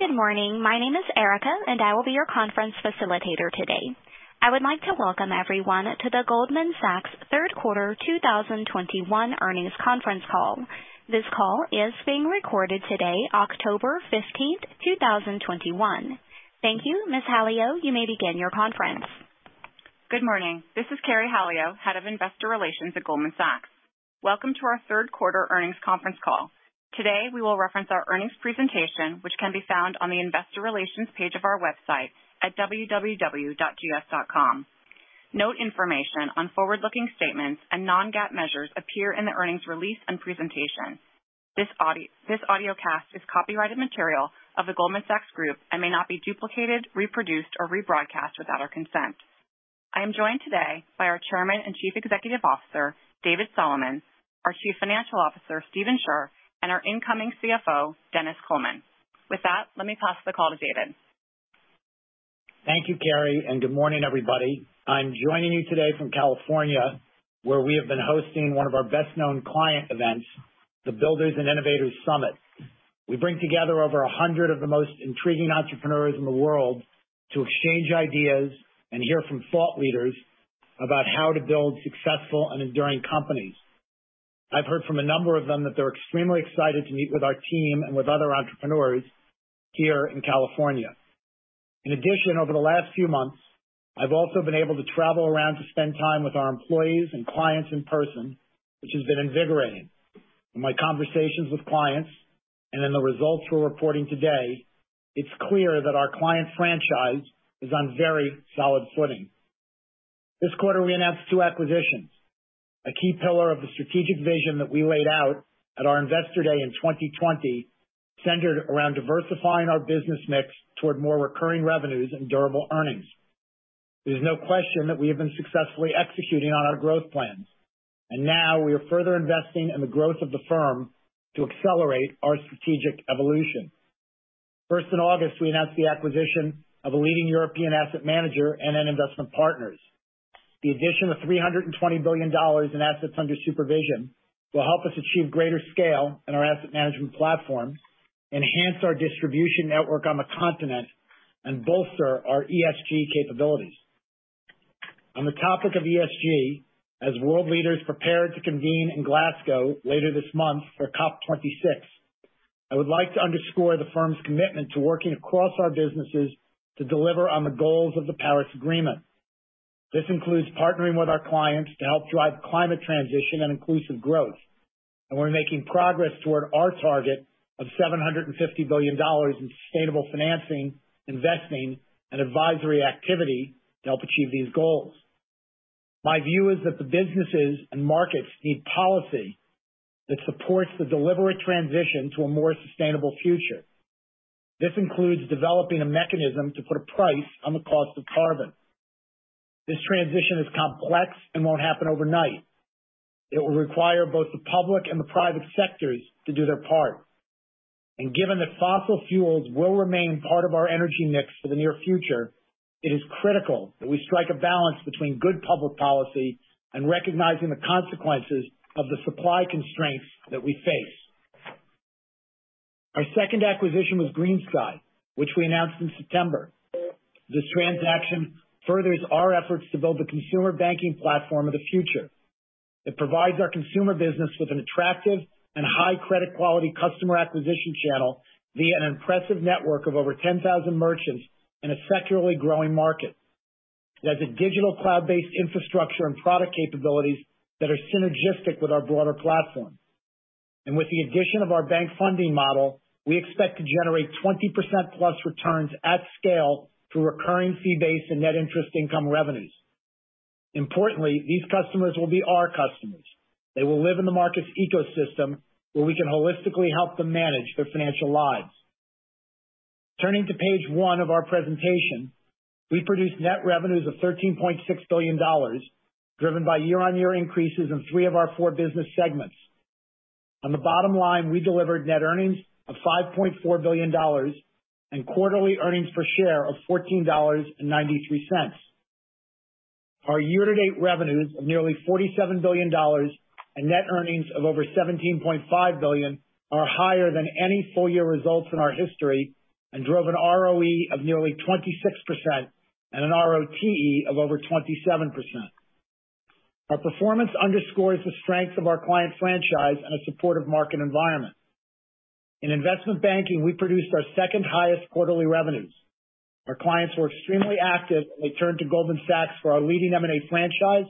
Good morning. My name is Erica, and I will be your conference facilitator today. I would like to welcome everyone to the Goldman Sachs third quarter 2021 earnings conference call. This call is being recorded today, 15th October, 2021. Thank you. Ms. Halio, you may begin your conference. Good morning. This is Carey Halio, Head of Investor Relations at Goldman Sachs. Welcome to our third quarter earnings conference call. Today, we will reference our earnings presentation, which can be found on the investor relations page of our website at www.gs.com. Note information on forward-looking statements and non-GAAP measures appear in the earnings release and presentation. This audiocast is copyrighted material of The Goldman Sachs Group and may not be duplicated, reproduced, or rebroadcast without our consent. I am joined today by our Chairman and Chief Executive Officer, David Solomon, our Chief Financial Officer, Stephen Scherr, and our incoming CFO, Denis Coleman. With that, let me pass the call to David. Thank you, Carey, good morning, everybody. I'm joining you today from California, where we have been hosting one of our best-known client events, the Builders and Innovators Summit. We bring together over 100 of the most intriguing entrepreneurs in the world to exchange ideas and hear from thought leaders about how to build successful and enduring companies. I've heard from a number of them that they're extremely excited to meet with our team and with other entrepreneurs here in California. Over the last few months, I've also been able to travel around to spend time with our employees and clients in person, which has been invigorating. In my conversations with clients and in the results we're reporting today, it's clear that our client franchise is on very solid footing. This quarter, we announced two acquisitions, a key pillar of the strategic vision that we laid out at our Investor Day in 2020, centered around diversifying our business mix toward more recurring revenues and durable earnings. Now we are further investing in the growth of the firm to accelerate our strategic evolution. First in August, we announced the acquisition of a leading European asset manager and NN Investment Partners. The addition of $320 billion in assets under supervision will help us achieve greater scale in our asset management platform, enhance our distribution network on the continent, and bolster our ESG capabilities. On the topic of ESG, as world leaders prepare to convene in Glasgow later this month for COP 26, I would like to underscore the firm's commitment to working across our businesses to deliver on the goals of the Paris Agreement. This includes partnering with our clients to help drive climate transition and inclusive growth, and we're making progress toward our target of $750 billion in sustainable financing, investing, and advisory activity to help achieve these goals. My view is that the businesses and markets need policy that supports the deliberate transition to a more sustainable future. This includes developing a mechanism to put a price on the cost of carbon. This transition is complex and won't happen overnight. It will require both the public and the private sectors to do their part. Given that fossil fuels will remain part of our energy mix for the near future, it is critical that we strike a balance between good public policy and recognizing the consequences of the supply constraints that we face. Our second acquisition was GreenSky, which we announced in September. This transaction furthers our efforts to build the consumer banking platform of the future. It provides our consumer business with an attractive and high credit quality customer acquisition channel via an impressive network of over 10,000 merchants in a secularly growing market. It has a digital cloud-based infrastructure and product capabilities that are synergistic with our broader platform. With the addition of our bank funding model, we expect to generate 20%+ returns at scale through recurring fee-based and net interest income revenues. Importantly, these customers will be our customers. They will live in the market's ecosystem, where we can holistically help them manage their financial lives. Turning to page one of our presentation, we produced net revenues of $13.6 billion, driven by year-on-year increases in three of our four business segments. On the bottom line, we delivered net earnings of $5.4 billion and quarterly earnings per share of $14.93. Our year-to-date revenues of nearly $47 billion and net earnings of over $17.5 billion are higher than any full-year results in our history and drove an ROE of nearly 26% and an ROTE of over 27%. Our performance underscores the strength of our client franchise in a supportive market environment. In investment banking, we produced our second highest quarterly revenues. Our clients were extremely active, and they turned to Goldman Sachs for our leading M&A franchise,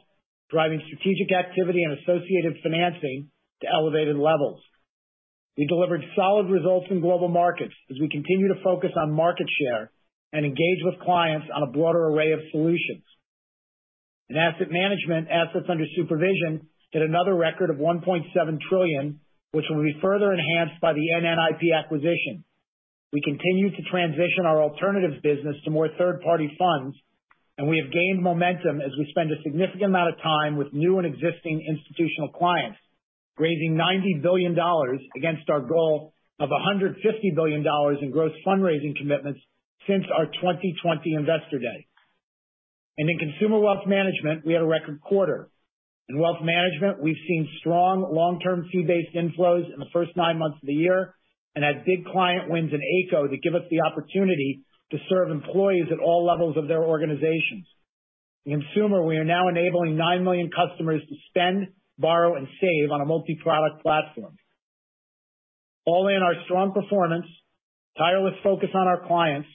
driving strategic activity and associated financing to elevated levels. We delivered solid results in global markets as we continue to focus on market share and engage with clients on a broader array of solutions. In asset management, assets under supervision hit another record of $1.7 trillion, which will be further enhanced by the NN Investment Partners acquisition. We continue to transition our alternatives business to more third-party funds. We have gained momentum as we spend a significant amount of time with new and existing institutional clients, raising $90 billion against our goal of $150 billion in gross fundraising commitments since our 2020 Investor Day. In consumer wealth management, we had a record quarter. In wealth management, we've seen strong long-term fee-based inflows in the first nine months of the year and had big client wins in Ayco that give us the opportunity to serve employees at all levels of their organizations. In consumer, we are now enabling 9 million customers to spend, borrow, and save on a multi-product platform. All in our strong performance, tireless focus on our clients,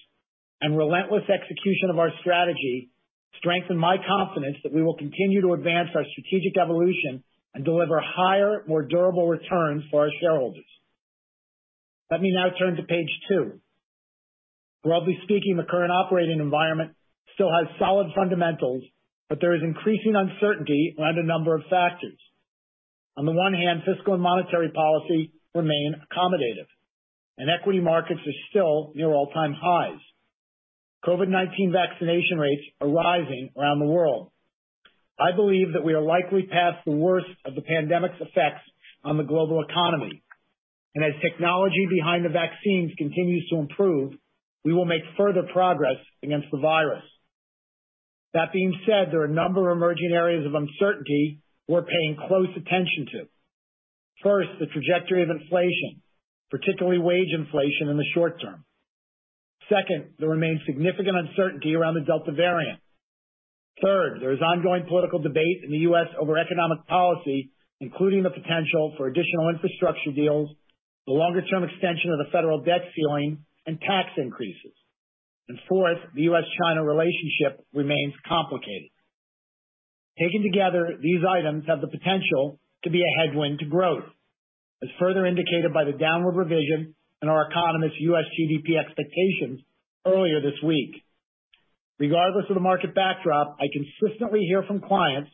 and relentless execution of our strategy strengthen my confidence that we will continue to advance our strategic evolution and deliver higher, more durable returns for our shareholders. Let me now turn to page two. B roadly speaking, the current operating environment still has solid fundamentals, but there is increasing uncertainty around a number of factors. On the one hand, fiscal and monetary policy remain accommodative. Equity markets are still near all-time highs. COVID-19 vaccination rates are rising around the world. I believe that we are likely past the worst of the pandemic's effects on the global economy. As technology behind the vaccines continues to improve, we will make further progress against the virus. That being said, there are a number of emerging areas of uncertainty we're paying close attention to. First, the trajectory of inflation, particularly wage inflation in the short term. Second, there remains significant uncertainty around the Delta variant. Third, there is ongoing political debate in the U.S. over economic policy, including the potential for additional infrastructure deals, the longer-term extension of the federal debt ceiling, and tax increases. Fourth, the U.S.-China relationship remains complicated. Taken together, these items have the potential to be a headwind to growth, as further indicated by the downward revision in our economists' U.S. GDP expectations earlier this week. Regardless of the market backdrop, I consistently hear from clients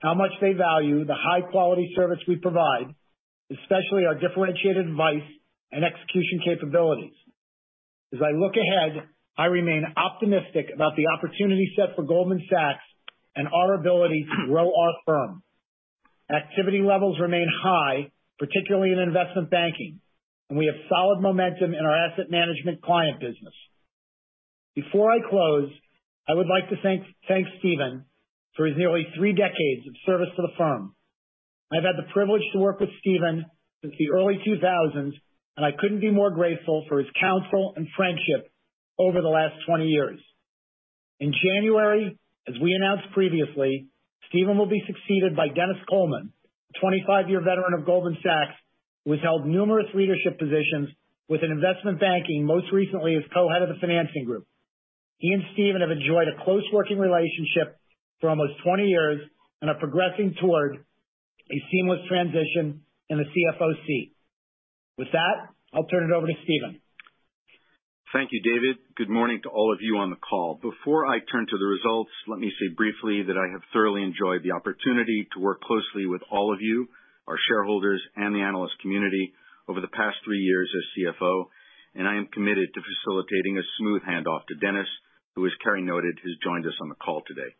how much they value the high-quality service we provide, especially our differentiated advice and execution capabilities. As I look ahead, I remain optimistic about the opportunity set for Goldman Sachs and our ability to grow our firm. Activity levels remain high, particularly in investment banking, and we have solid momentum in our asset management client business. Before I close, I would like to thank Stephen for his nearly three decades of service to the firm. I've had the privilege to work with Stephen since the early 2000s, and I couldn't be more grateful for his counsel and friendship over the last 20 years. In January, as we announced previously, Stephen will be succeeded by Denis Coleman, a 25-year veteran of Goldman Sachs who has held numerous leadership positions within investment banking, most recently as co-head of the financing group. He and Stephen have enjoyed a close working relationship for almost 20 years and are progressing toward a seamless transition in the CFO seat. With that, I'll turn it over to Stephen. Thank you, David. Good morning to all of you on the call. Before I turn to the results, let me say briefly that I have thoroughly enjoyed the opportunity to work closely with all of you, our shareholders, and the analyst community over the past three years as CFO, and I am committed to facilitating a smooth handoff to Denis, who as Carey noted, has joined us on the call today.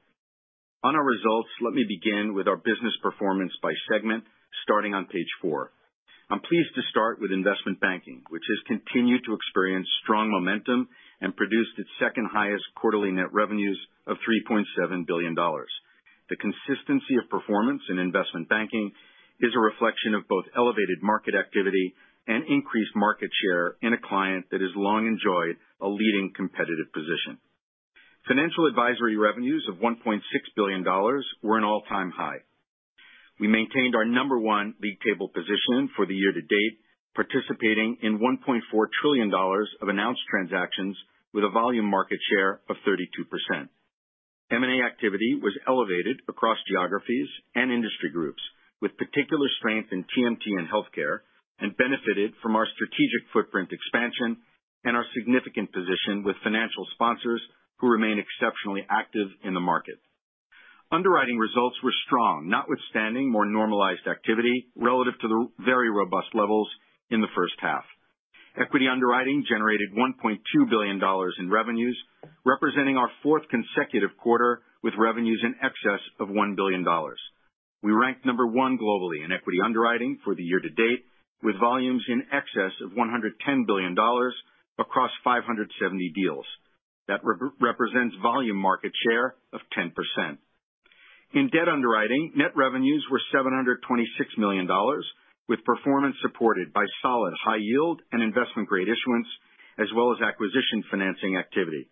On our results, let me begin with our business performance by segment, starting on page four. I'm pleased to start with Investment Banking, which has continued to experience strong momentum and produced its second highest quarterly net revenues of $3.7 billion. The consistency of performance in Investment Banking is a reflection of both elevated market activity and increased market share in a client that has long enjoyed a leading competitive position. Financial advisory revenues of $1.6 billion were an all-time high. We maintained our number one league table position for the year to date, participating in $1.4 trillion of announced transactions with a volume market share of 32%. M&A activity was elevated across geographies and industry groups with particular strength in TMT and healthcare and benefited from our strategic footprint expansion and our significant position with financial sponsors who remain exceptionally active in the market. Underwriting results were strong, notwithstanding more normalized activity relative to the very robust levels in the first half. Equity underwriting generated $1.2 billion in revenues, representing our 4th consecutive quarter with revenues in excess of $1 billion. We ranked number one globally in equity underwriting for the year to date, with volumes in excess of $110 billion across 570 deals. That represents volume market share of 10%. In debt underwriting, net revenues were $726 million, with performance supported by solid high yield and investment-grade issuance, as well as acquisition financing activity.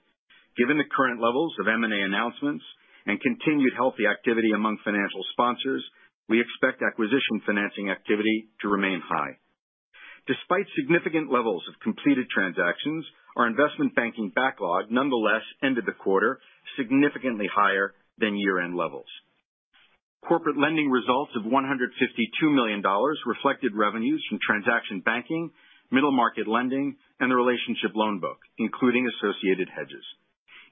Given the current levels of M&A announcements and continued healthy activity among financial sponsors, we expect acquisition financing activity to remain high. Despite significant levels of completed transactions, our investment banking backlog nonetheless ended the quarter significantly higher than year-end levels. Corporate lending results of $152 million reflected revenues from transaction banking, middle market lending, and the relationship loan book, including associated hedges.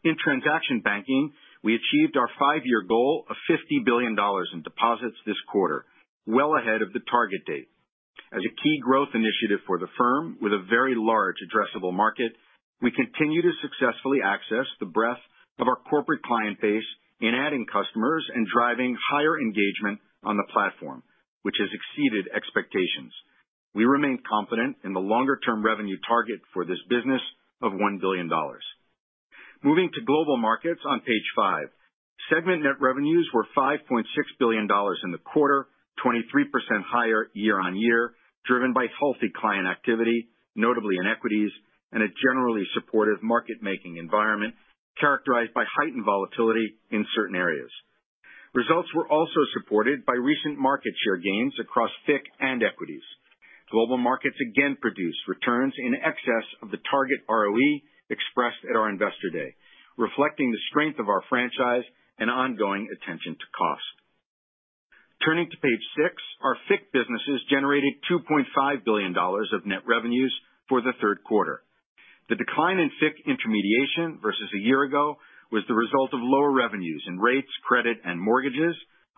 In transaction banking, we achieved our five-year goal of $50 billion in deposits this quarter, well ahead of the target date. As a key growth initiative for the firm with a very large addressable market, we continue to successfully access the breadth of our corporate client base in adding customers and driving higher engagement on the platform, which has exceeded expectations. We remain confident in the longer-term revenue target for this business of $1 billion. Moving to Global Markets on Page five. Segment net revenues were $5.6 billion in the quarter, 23% higher year-on-year, driven by healthy client activity, notably in equities, and a generally supportive market-making environment characterized by heightened volatility in certain areas. Results were also supported by recent market share gains across FICC and equities. Global Markets again produced returns in excess of the target ROE expressed at our Investor Day, reflecting the strength of our franchise and ongoing attention to cost. Turning to Page six, our FICC businesses generated $2.5 billion of net revenues for the third quarter. The decline in FICC intermediation versus a year ago was the result of lower revenues and rates, credit, and mortgages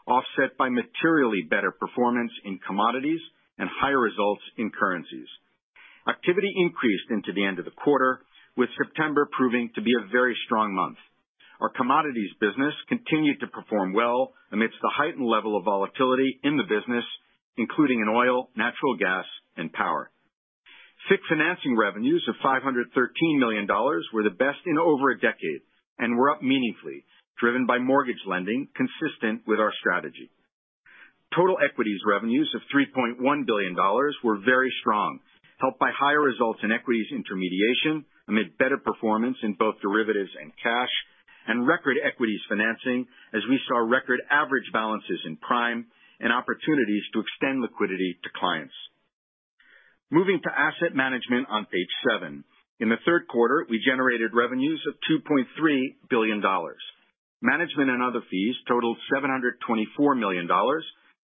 offset by materially better performance in commodities and higher results in currencies. Activity increased into the end of the quarter, with September proving to be a very strong month. Our commodities business continued to perform well amidst the heightened level of volatility in the business, including in oil, natural gas, and power. FICC financing revenues of $513 million were the best in over a decade and were up meaningfully, driven by mortgage lending consistent with our strategy. Total equities revenues of $3.1 billion were very strong, helped by higher results in equities intermediation amid better performance in both derivatives and cash, and record equities financing as we saw record average balances in prime and opportunities to extend liquidity to clients. Moving to Asset Management on Page seven. In the third quarter, we generated revenues of $2.3 billion. Management and other fees totaled $724 million,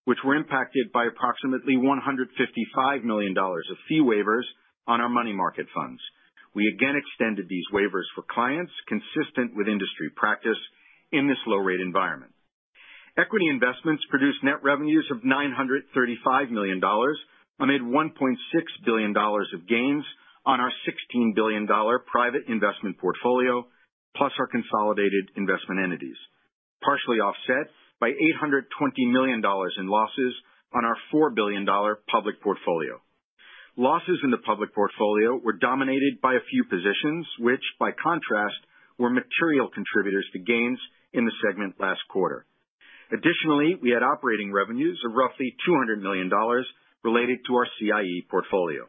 which were impacted by approximately $155 million of fee waivers on our money market funds. We again extended these waivers for clients consistent with industry practice in this low-rate environment. Equity investments produced net revenues of $935 million amid $1.6 billion of gains on our $16 billion private investment portfolio, plus our consolidated investment entities, partially offset by $820 million in losses on our $4 billion public portfolio. Losses in the public portfolio were dominated by a few positions which, by contrast, were material contributors to gains in the segment last quarter. Additionally, we had operating revenues of roughly $200 million related to our CIE portfolio.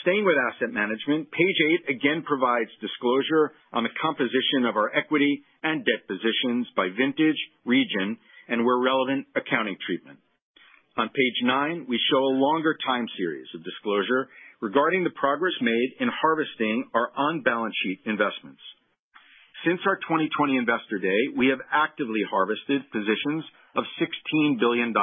Staying with Asset Management, Page eight again provides disclosure on the composition of our equity and debt positions by vintage, region, and where relevant, accounting treatment. On Page nine, we show a longer time series of disclosure regarding the progress made in harvesting our on-balance-sheet investments. Since our 2020 Investor Day, we have actively harvested positions of $16 billion,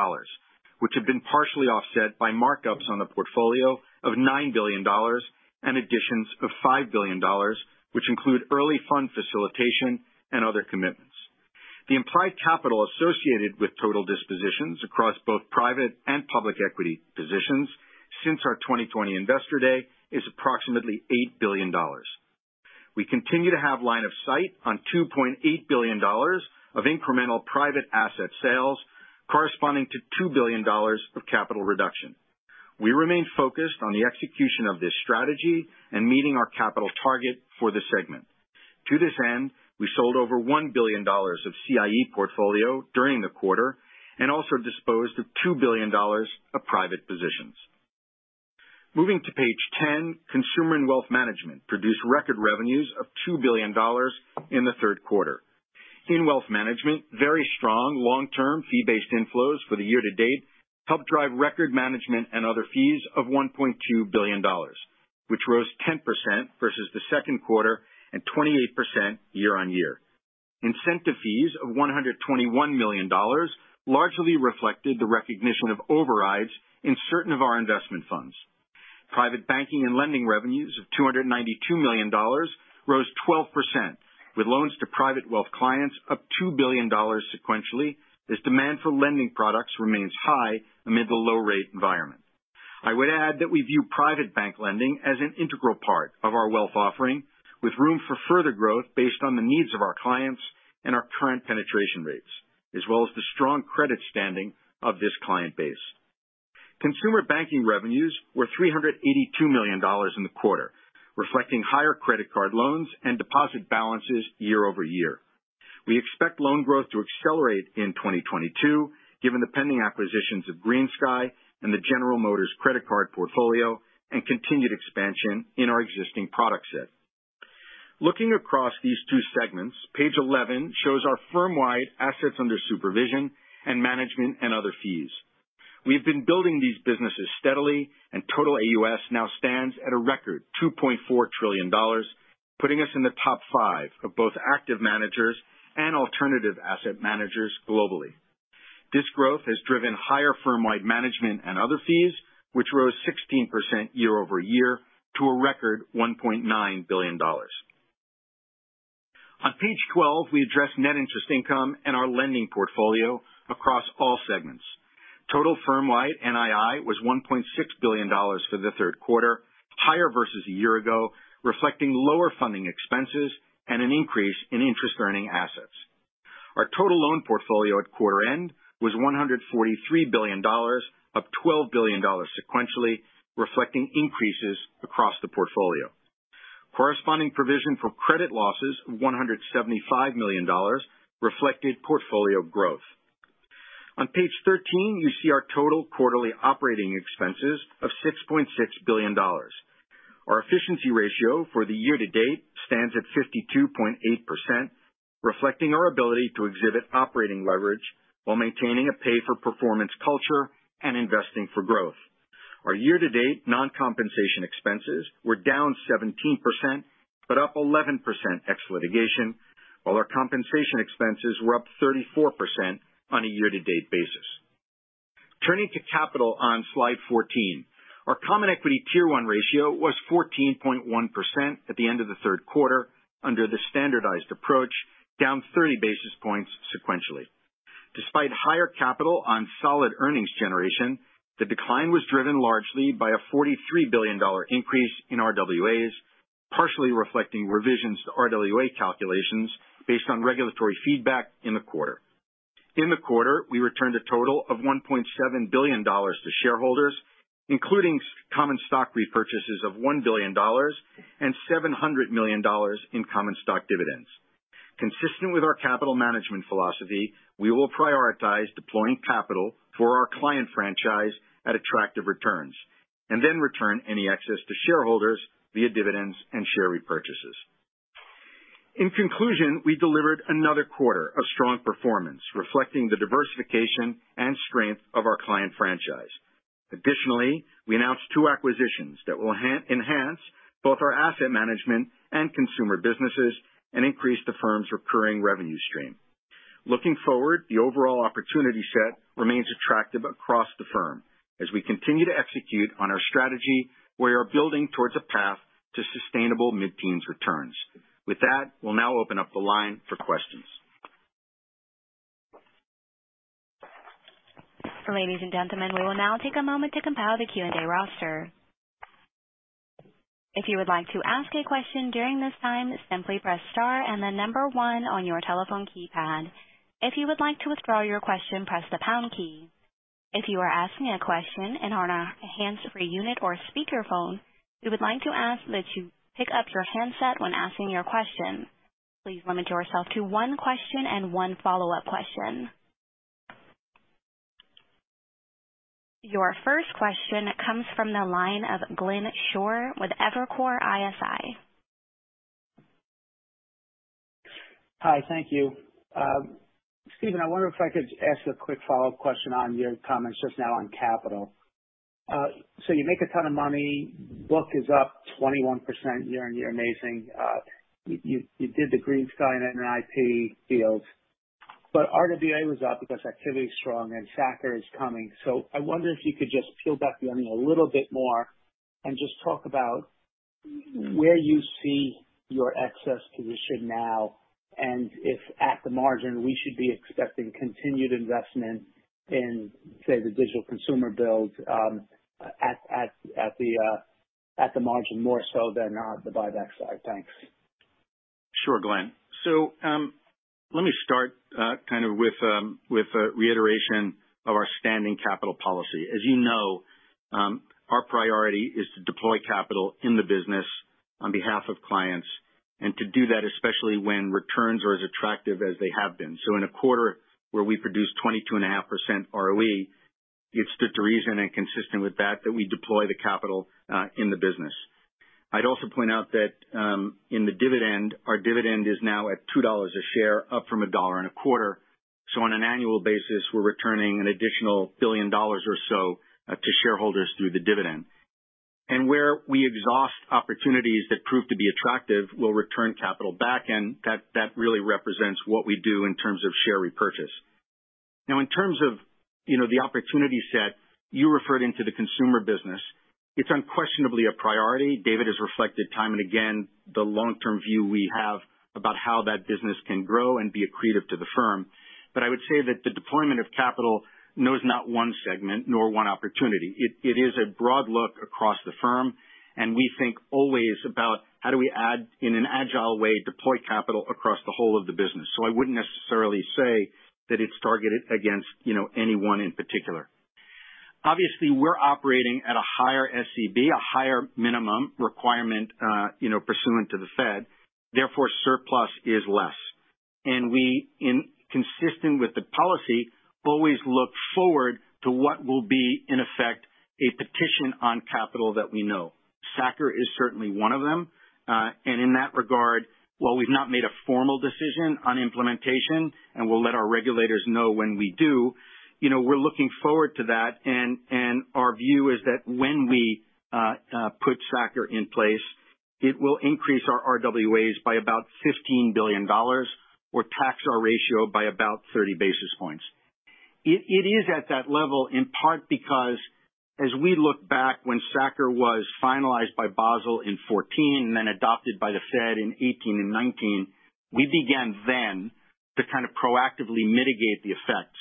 which have been partially offset by markups on the portfolio of $9 billion and additions of $5 billion, which include early fund facilitation and other commitments. The implied capital associated with total dispositions across both private and public equity positions since our 2020 Investor Day is approximately $8 billion. We continue to have line of sight on $2.8 billion of incremental private asset sales corresponding to $2 billion of capital reduction. We remain focused on the execution of this strategy and meeting our capital target for the segment. To this end, we sold over $1 billion of CIE portfolio during the quarter and also disposed of $2 billion of private positions. Moving to Page 10, Consumer and Wealth Management produced record revenues of $2 billion in the third quarter. In Wealth Management, very strong long-term fee-based inflows for the year to date helped drive record management and other fees of $1.2 billion, which rose 10% versus the second quarter and 28% year-on-year. Incentive fees of $121 million largely reflected the recognition of overrides in certain of our investment funds. Private banking and lending revenues of $292 million rose 12%, with loans to private wealth clients up $2 billion sequentially as demand for lending products remains high amid the low-rate environment. I would add that we view private bank lending as an integral part of our wealth offering, with room for further growth based on the needs of our clients and our current penetration rates, as well as the strong credit standing of this client base. Consumer banking revenues were $382 million in the quarter, reflecting higher credit card loans and deposit balances year-over-year. We expect loan growth to accelerate in 2022 given the pending acquisitions of GreenSky and the General Motors credit card portfolio and continued expansion in our existing product set. Looking across these two segments, Page 11 shows our firm-wide assets under supervision and management and other fees. We have been building these businesses steadily and total AUM now stands at a record $2.4 trillion, putting us in the top five of both active managers and alternative asset managers globally. This growth has driven higher firm-wide management and other fees, which rose 16% year-over-year to a record $1.9 billion. On Page 12, we address net interest income and our lending portfolio across all segments. Total firm-wide NII was $1.6 billion for the third quarter, higher versus a year ago, reflecting lower funding expenses and an increase in interest-earning assets. Our total loan portfolio at quarter end was $143 billion, up $12 billion sequentially, reflecting increases across the portfolio. Corresponding provision for credit losses of $175 million reflected portfolio growth. On page 13, you see our total quarterly operating expenses of $6.6 billion. Our efficiency ratio for the year-to-date stands at 52.8%, reflecting our ability to exhibit operating leverage while maintaining a pay-for-performance culture and investing for growth. Our year-to-date non-compensation expenses were down 17%, but up 11% ex litigation, while our compensation expenses were up 34% on a year-to-date basis. Turning to capital on slide 14. Our common equity Tier 1 ratio was 14.1% at the end of the third quarter under the standardized approach, down 30 basis points sequentially. Despite higher capital on solid earnings generation, the decline was driven largely by a $43 billion increase in RWAs, partially reflecting revisions to RWA calculations based on regulatory feedback in the quarter. In the quarter, we returned a total of $1.7 billion to shareholders, including common stock repurchases of $1 billion and $700 million in common stock dividends. Consistent with our capital management philosophy, we will prioritize deploying capital for our client franchise at attractive returns, and then return any excess to shareholders via dividends and share repurchases. In conclusion, we delivered another quarter of strong performance, reflecting the diversification and strength of our client franchise. Additionally, we announced two acquisitions that will enhance both our asset management and consumer businesses and increase the firm's recurring revenue stream. Looking forward, the overall opportunity set remains attractive across the firm as we continue to execute on our strategy where you're building towards a path to sustainable mid-teens returns. With that, we'll now open up the line for questions. Ladies and gentlemen, we will now take a moment to compile the Q&A roster. If you would like to ask a question during this time, simply press star and the number one on your telephone keypad. If you would like to withdraw your question, press the pound key. If you are asking a question and are on a hands-free unit or a speakerphone, we would like to ask that you pick up your handset when asking your question. Please limit yourself to one question and one follow-up question. Your first question comes from the line of Glenn Schorr with Evercore ISI. Hi. Thank you. Stephen, I wonder if I could ask you a quick follow-up question on your comments just now on capital. You make a ton of money. Book is up 21% year on year. Amazing. You did the GreenSky and NNIP deals. RWA was up because activity is strong and SA-CCR is coming. I wonder if you could just peel back the onion a little bit more and just talk about where you see your excess position now, and if at the margin, we should be expecting continued investment in, say, the digital consumer build at the margin, more so than on the buyback side. Thanks. Sure, Glenn. Let me start kind of with a reiteration of our standing capital policy. As you know, our priority is to deploy capital in the business on behalf of clients, and to do that, especially when returns are as attractive as they have been. In a quarter where we produce 22.5% ROE, it stood to reason and consistent with that we deploy the capital in the business. I'd also point out that in the dividend, our dividend is now at $2 a share, up from $1.25. On an annual basis, we're returning an additional $1 billion or so to shareholders through the dividend. Where we exhaust opportunities that prove to be attractive, we'll return capital back, and that really represents what we do in terms of share repurchase. In terms of the opportunity set you referred into the consumer business, it's unquestionably a priority. David has reflected time and again the long-term view we have about how that business can grow and be accretive to the firm. I would say that the deployment of capital knows not one segment nor one opportunity. It is a broad look across the firm, and we think always about how do we add, in an agile way, deploy capital across the whole of the business. I wouldn't necessarily say that it's targeted against anyone in particular. Obviously, we're operating at a higher SCB, a higher minimum requirement pursuant to The Fed. Therefore, surplus is less. We, consistent with the policy, always look forward to what will be, in effect, a petition on capital that we know. SA-CCR is certainly one of them. In that regard, while we've not made a formal decision on implementation and we'll let our regulators know when we do, we're looking forward to that. Our view is that when we put SA-CCR in place, it will increase our RWAs by about $15 billion or tax our ratio by about 30 basis points. It is at that level in part because as we look back when SA-CCR was finalized by Basel in 2014 and adopted by the Fed in 2018 and 2019, we began then to kind of proactively mitigate the effect.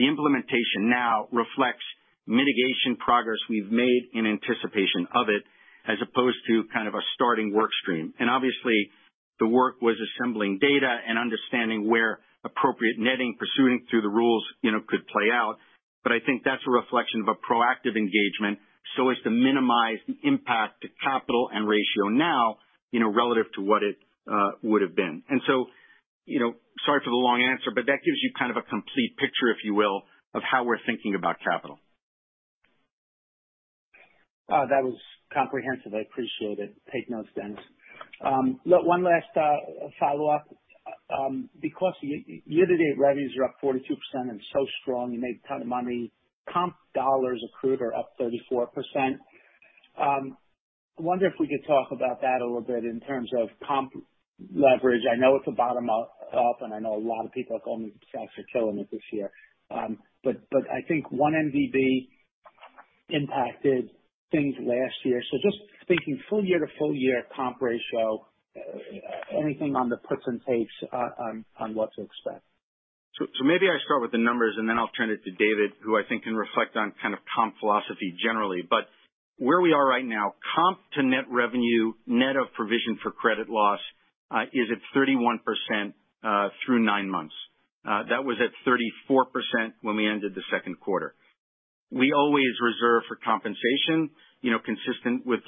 The implementation now reflects mitigation progress we've made in anticipation of it as opposed to kind of a starting work stream. Obviously the work was assembling data and understanding where appropriate netting pursuant through the rules could play out. I think that's a reflection of a proactive engagement so as to minimize the impact to capital and ratio now, relative to what it would've been. Sorry for the long answer, but that gives you kind of a complete picture, if you will, of how we're thinking about capital. That was comprehensive. I appreciate it. Take notes, Denis. One last follow-up. Year-to-date revenues are up 42% and so strong, you made a ton of money. Comp dollars accrued are up 34%. I wonder if we could talk about that a little bit in terms of comp leverage. I know it's a bottom up, and I know a lot of people are calling the stocks are killing it this year. I think one 1MDB impacted things last year. Just thinking full year to full year comp ratio, anything on the puts and takes on what to expect? Maybe I start with the numbers and then I'll turn it to David, who I think can reflect on kind of comp philosophy generally. Where we are right now, comp to net revenue, net of provision for credit loss is at 31% through nine months. That was at 34% when we ended the second quarter. We always reserve for compensation consistent with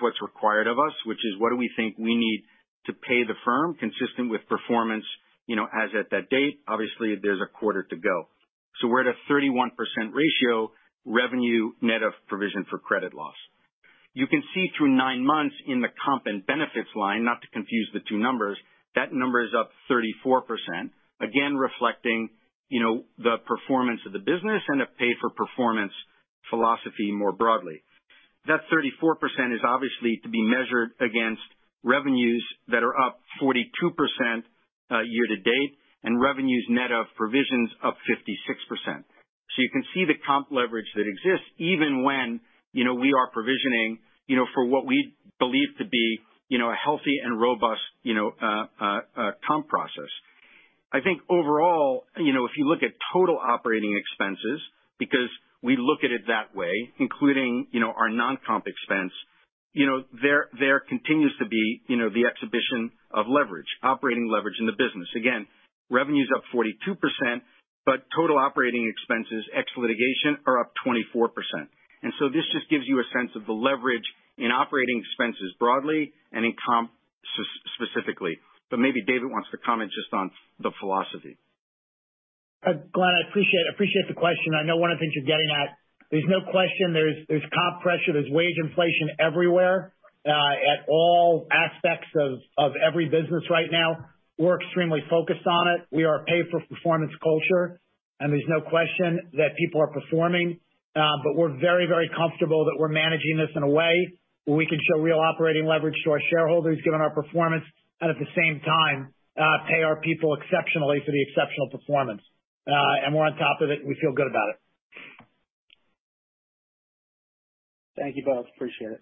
what's required of us, which is what do we think we need to pay the firm consistent with performance as at that date. Obviously, there's a quarter to go. We're at a 31% ratio revenue net of provision for credit loss. You can see through nine months in the comp and benefits line, not to confuse the two numbers, that number is up 34%, again, reflecting the performance of the business and a pay-for-performance philosophy more broadly. 34% is obviously to be measured against revenues that are up 42% year to date and revenues net of provisions up 56%. You can see the comp leverage that exists even when we are provisioning for what we believe to be a healthy and robust comp process. I think overall, if you look at total operating expenses, because we look at it that way, including our non-comp expense, there continues to be the exhibition of leverage, operating leverage in the business. Revenue's up 42%, total operating expenses, ex litigation, are up 24%. This just gives you a sense of the leverage in operating expenses broadly and in comp specifically. Maybe David wants to comment just on the philosophy. Glenn, I appreciate the question. I know one of the things you're getting at, there's no question there's comp pressure, there's wage inflation everywhere, at all aspects of every business right now. We're extremely focused on it. We are a pay-for-performance culture, and there's no question that people are performing. We're very comfortable that we're managing this in a way where we can show real operating leverage to our shareholders, given our performance. At the same time, pay our people exceptionally for the exceptional performance. We're on top of it, and we feel good about it. Thank you both. Appreciate it.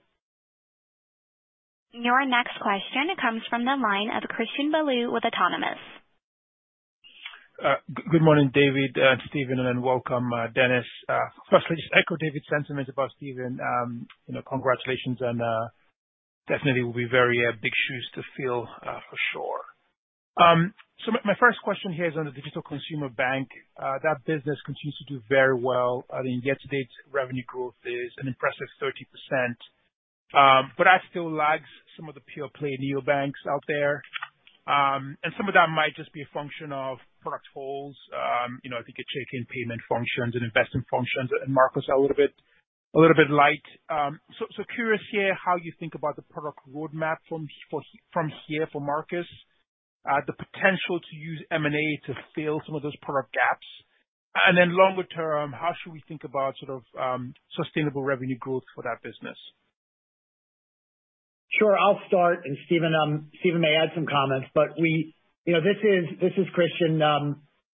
Your next question comes from the line of Christian Bolu with Autonomous. Good morning, David and Stephen, welcome, Denis. Firstly, just echo David's sentiments about Stephen. Congratulations. Definitely will be very big shoes to fill for sure. My first question here is on the digital consumer bank. That business continues to do very well. I mean, year-to-date revenue growth is an impressive 30%. That still lags some of the pure play neobanks out there. Some of that might just be a function of product holes. I think your check in payment functions and investment functions and Marcus are a little bit light. Curious here how you think about the product roadmap from here for Marcus. The potential to use M&A to fill some of those product gaps. Longer term, how should we think about sort of sustainable revenue growth for that business? Sure. I'll start, and Stephen may add some comments. Christian,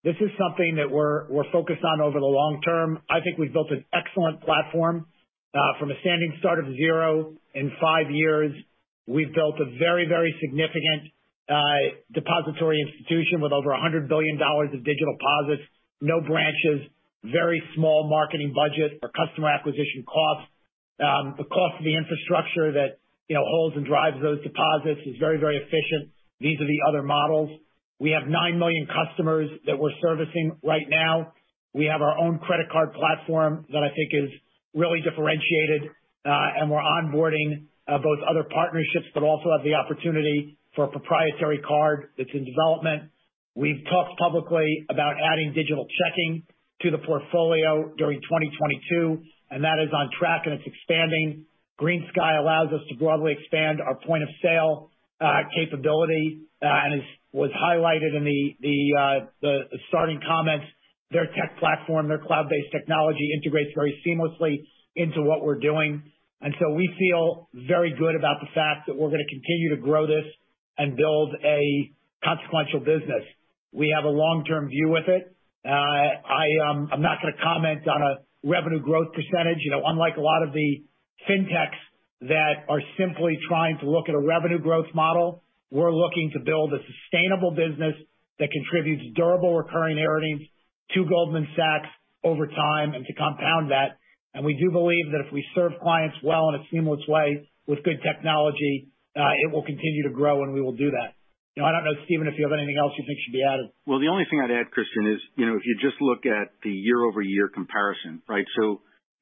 this is something that we're focused on over the long term. I think we've built an excellent platform. From a standing start of 0, in 5 years, we've built a very significant depository institution with over $100 billion of digital deposits, no branches, very small marketing budget or customer acquisition costs. The cost of the infrastructure that holds and drives those deposits is very efficient vis-a-vis other models. We have 9 million customers that we're servicing right now. We have our own credit card platform that I think is really differentiated. We're onboarding both other partnerships, but also have the opportunity for a proprietary card that's in development. We've talked publicly about adding digital checking to the portfolio during 2022, and that is on track and it's expanding. GreenSky allows us to broadly expand our point of sale capability, was highlighted in the starting comments. Their tech platform, their cloud-based technology integrates very seamlessly into what we're doing. We feel very good about the fact that we're going to continue to grow this and build a consequential business. We have a long-term view with it. I'm not going to comment on a revenue growth percentage. Unlike a lot of the fintechs that are simply trying to look at a revenue growth model. We're looking to build a sustainable business that contributes durable recurring earnings to Goldman Sachs over time and to compound that. We do believe that if we serve clients well in a seamless way with good technology, it will continue to grow, and we will do that. I don't know, Stephen, if you have anything else you think should be added. The only thing I'd add, Christian Bolu, is if you just look at the year-over-year comparison, right?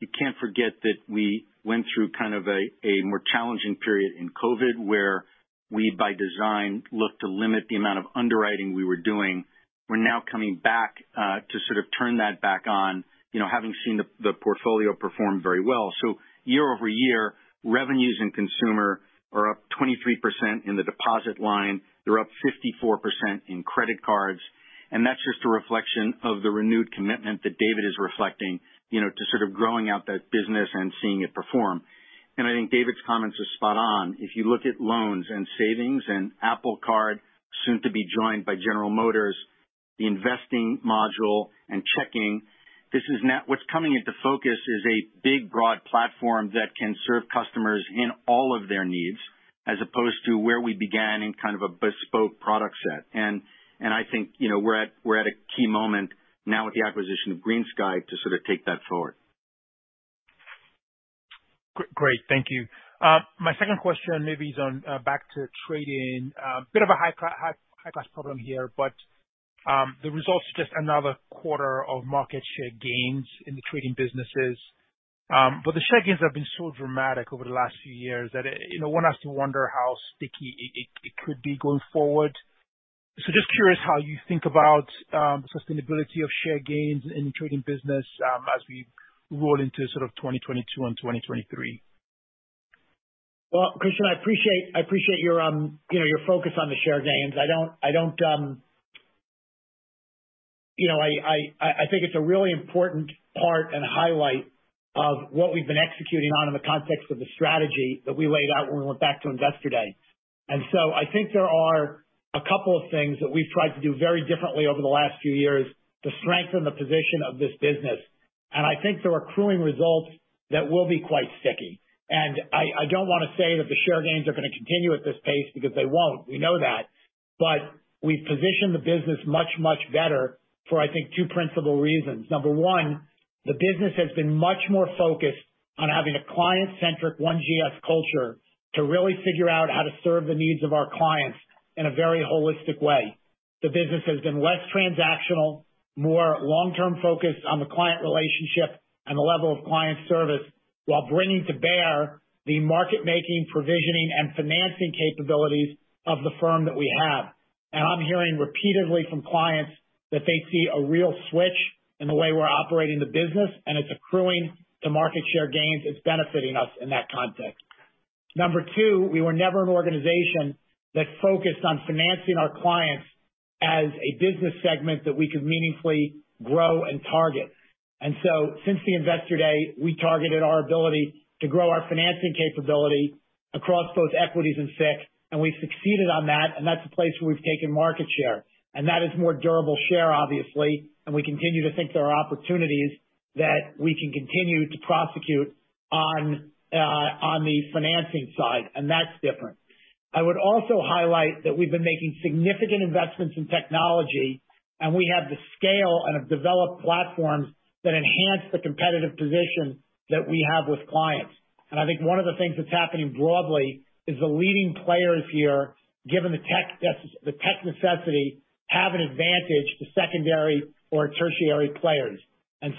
You can't forget that we went through kind of a more challenging period in COVID, where we, by design, looked to limit the amount of underwriting we were doing. We're now coming back to sort of turn that back on, having seen the portfolio perform very well. Year-over-year, revenues in consumer are up 23% in the deposit line. They're up 54% in credit cards. That's just a reflection of the renewed commitment that David Solomon is reflecting, to sort of growing out that business and seeing it perform. I think David Solomon's comments are spot on. If you look at loans and savings and Apple Card, soon to be joined by General Motors, the investing module and checking. What's coming into focus is a big, broad platform that can serve customers in all of their needs, as opposed to where we began in kind of a bespoke product set. I think we're at a key moment now with the acquisition of GreenSky to sort of take that forward. Great. Thank you. My second question maybe is back to trading. A bit of a high-class problem here, the results are just another quarter of market share gains in the trading businesses. The share gains have been so dramatic over the last few years that one has to wonder how sticky it could be going forward. Just curious how you think about sustainability of share gains in trading business as we roll into sort of 2022 and 2023. Christian, I appreciate your focus on the share gains. I think it's a really important part and highlight of what we've been executing on in the context of the strategy that we laid out when we went back to Investor Day. I think there are a couple of things that we've tried to do very differently over the last few years to strengthen the position of this business. I think there are accruing results that will be quite sticky. I don't want to say that the share gains are going to continue at this pace because they won't. We know that. We've positioned the business much, much better for, I think, two principal reasons. Number one, the business has been much more focused on having a client-centric One Goldman Sachs culture to really figure out how to serve the needs of our clients in a very holistic way. The business has been less transactional, more long-term focused on the client relationship and the level of client service, while bringing to bear the market-making, provisioning, and financing capabilities of the firm that we have. I'm hearing repeatedly from clients that they see a real switch in the way we're operating the business, and it's accruing to market share gains. It's benefiting us in that context. Number two, we were never an organization that focused on financing our clients as a business segment that we could meaningfully grow and target. Since the Investor Day, we targeted our ability to grow our financing capability across both equities and fixed, and we've succeeded on that. That's a place where we've taken market share. That is more durable share, obviously, and we continue to think there are opportunities that we can continue to prosecute on the financing side, and that's different. I would also highlight that we've been making significant investments in technology, and we have the scale and have developed platforms that enhance the competitive position that we have with clients. I think one of the things that's happening broadly is the leading players here, given the tech necessity, have an advantage to secondary or tertiary players.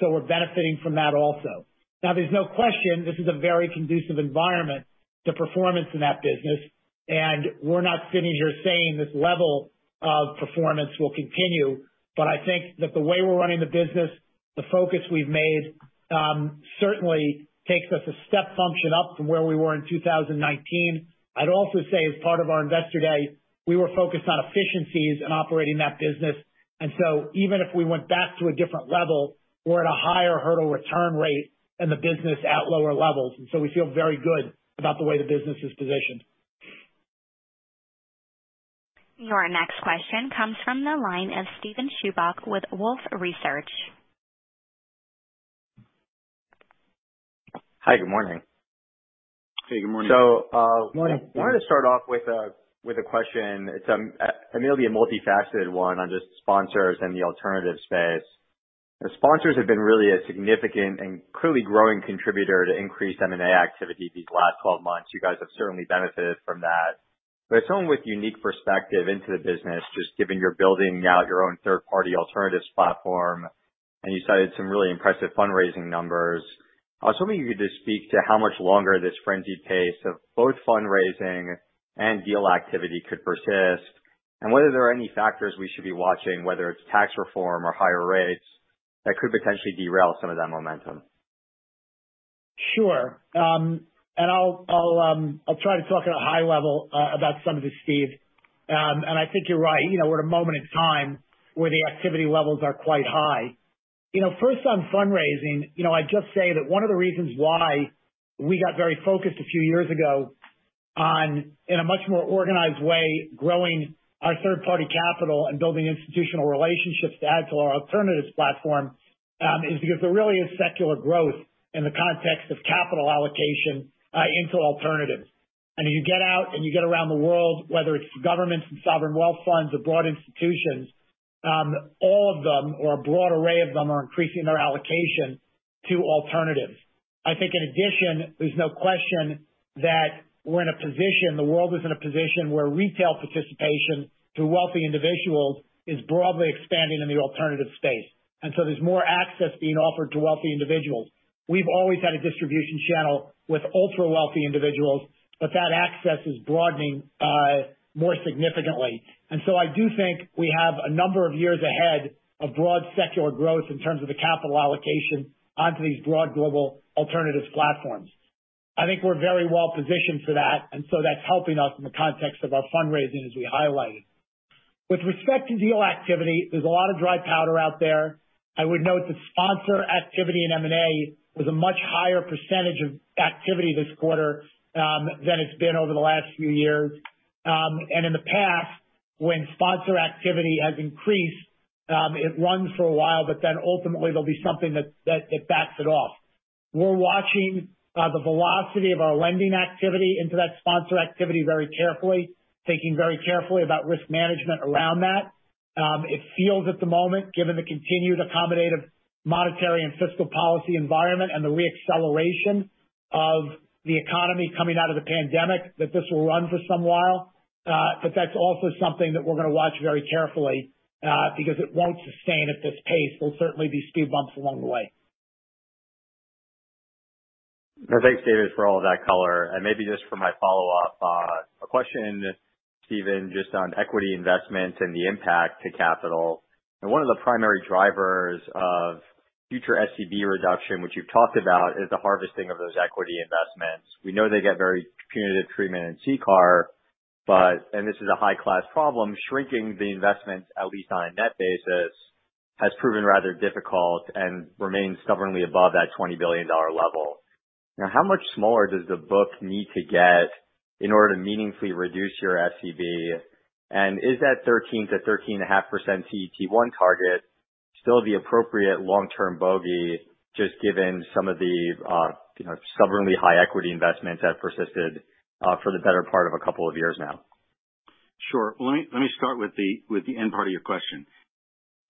We're benefiting from that also. Now, there's no question this is a very conducive environment to performance in that business, and we're not sitting here saying this level of performance will continue. I think that the way we're running the business, the focus we've made certainly takes us a step function up from where we were in 2019. I'd also say as part of our Investor Day, we were focused on efficiencies and operating that business. Even if we went back to a different level, we're at a higher hurdle return rate in the business at lower levels. We feel very good about the way the business is positioned. Your next question comes from the line of Stephen Chubak with Wolfe Research. Hi, good morning. Hey, good morning. Morning. I wanted to start off with a question. It'll be a multifaceted one on just sponsors and the alternatives space. Sponsors have been really a significant and clearly growing contributor to increased M&A activity these last 12 months. You guys have certainly benefited from that. As someone with unique perspective into the business, just given you're building out your own third-party alternatives platform, and you cited some really impressive fundraising numbers. I was hoping you could just speak to how much longer this frenzied pace of both fundraising and deal activity could persist, and whether there are any factors we should be watching, whether it's tax reform or higher rates, that could potentially derail some of that momentum. Sure. I'll try to talk at a high level about some of this, Steve. I think you're right. We're at a moment in time where the activity levels are quite high. First on fundraising, I'd just say that one of the reasons why we got very focused a few years ago, in a much more organized way, growing our third-party capital and building institutional relationships to add to our alternatives platform, is because there really is secular growth in the context of capital allocation into alternatives. If you get out and you get around the world, whether it's governments and sovereign wealth funds or broad institutions, all of them, or a broad array of them, are increasing their allocation to alternatives. I think in addition, there's no question that we're in a position, the world is in a position where retail participation through wealthy individuals is broadly expanding in the alternative space. There's more access being offered to wealthy individuals. We've always had a distribution channel with ultra-wealthy individuals, but that access is broadening more significantly. I do think we have a number of years ahead of broad secular growth in terms of the capital allocation onto these broad global alternatives platforms. I think we're very well positioned for that's helping us in the context of our fundraising, as we highlighted. With respect to deal activity, there's a lot of dry powder out there. I would note that sponsor activity in M&A was a much higher percentage of activity this quarter, than it's been over the last few years. In the past, when sponsor activity has increased, it runs for a while, but then ultimately there'll be something that backs it off. We're watching the velocity of our lending activity into that sponsor activity very carefully, thinking very carefully about risk management around that. It feels at the moment, given the continued accommodative monetary and fiscal policy environment and the re-acceleration of the economy coming out of the pandemic, that this will run for some while. That's also something that we're going to watch very carefully because it won't sustain at this pace. There'll certainly be speed bumps along the way. Thanks, David, for all of that color. Maybe just for my follow-up, a question, Stephen, just on equity investment and the impact to capital. You know, one of the primary drivers of future SCB reduction, which you've talked about, is the harvesting of those equity investments. We know they get very punitive treatment in CCAR, but, and this is a high-class problem, shrinking the investments, at least on a net basis, has proven rather difficult and remains stubbornly above that $20 billion level. How much smaller does the book need to get in order to meaningfully reduce your SCB? Is that 13%-13.5% CET1 target still the appropriate long-term bogey, just given some of the stubbornly high equity investments that persisted for the better part of a couple of years now? Sure. Let me start with the end part of your question.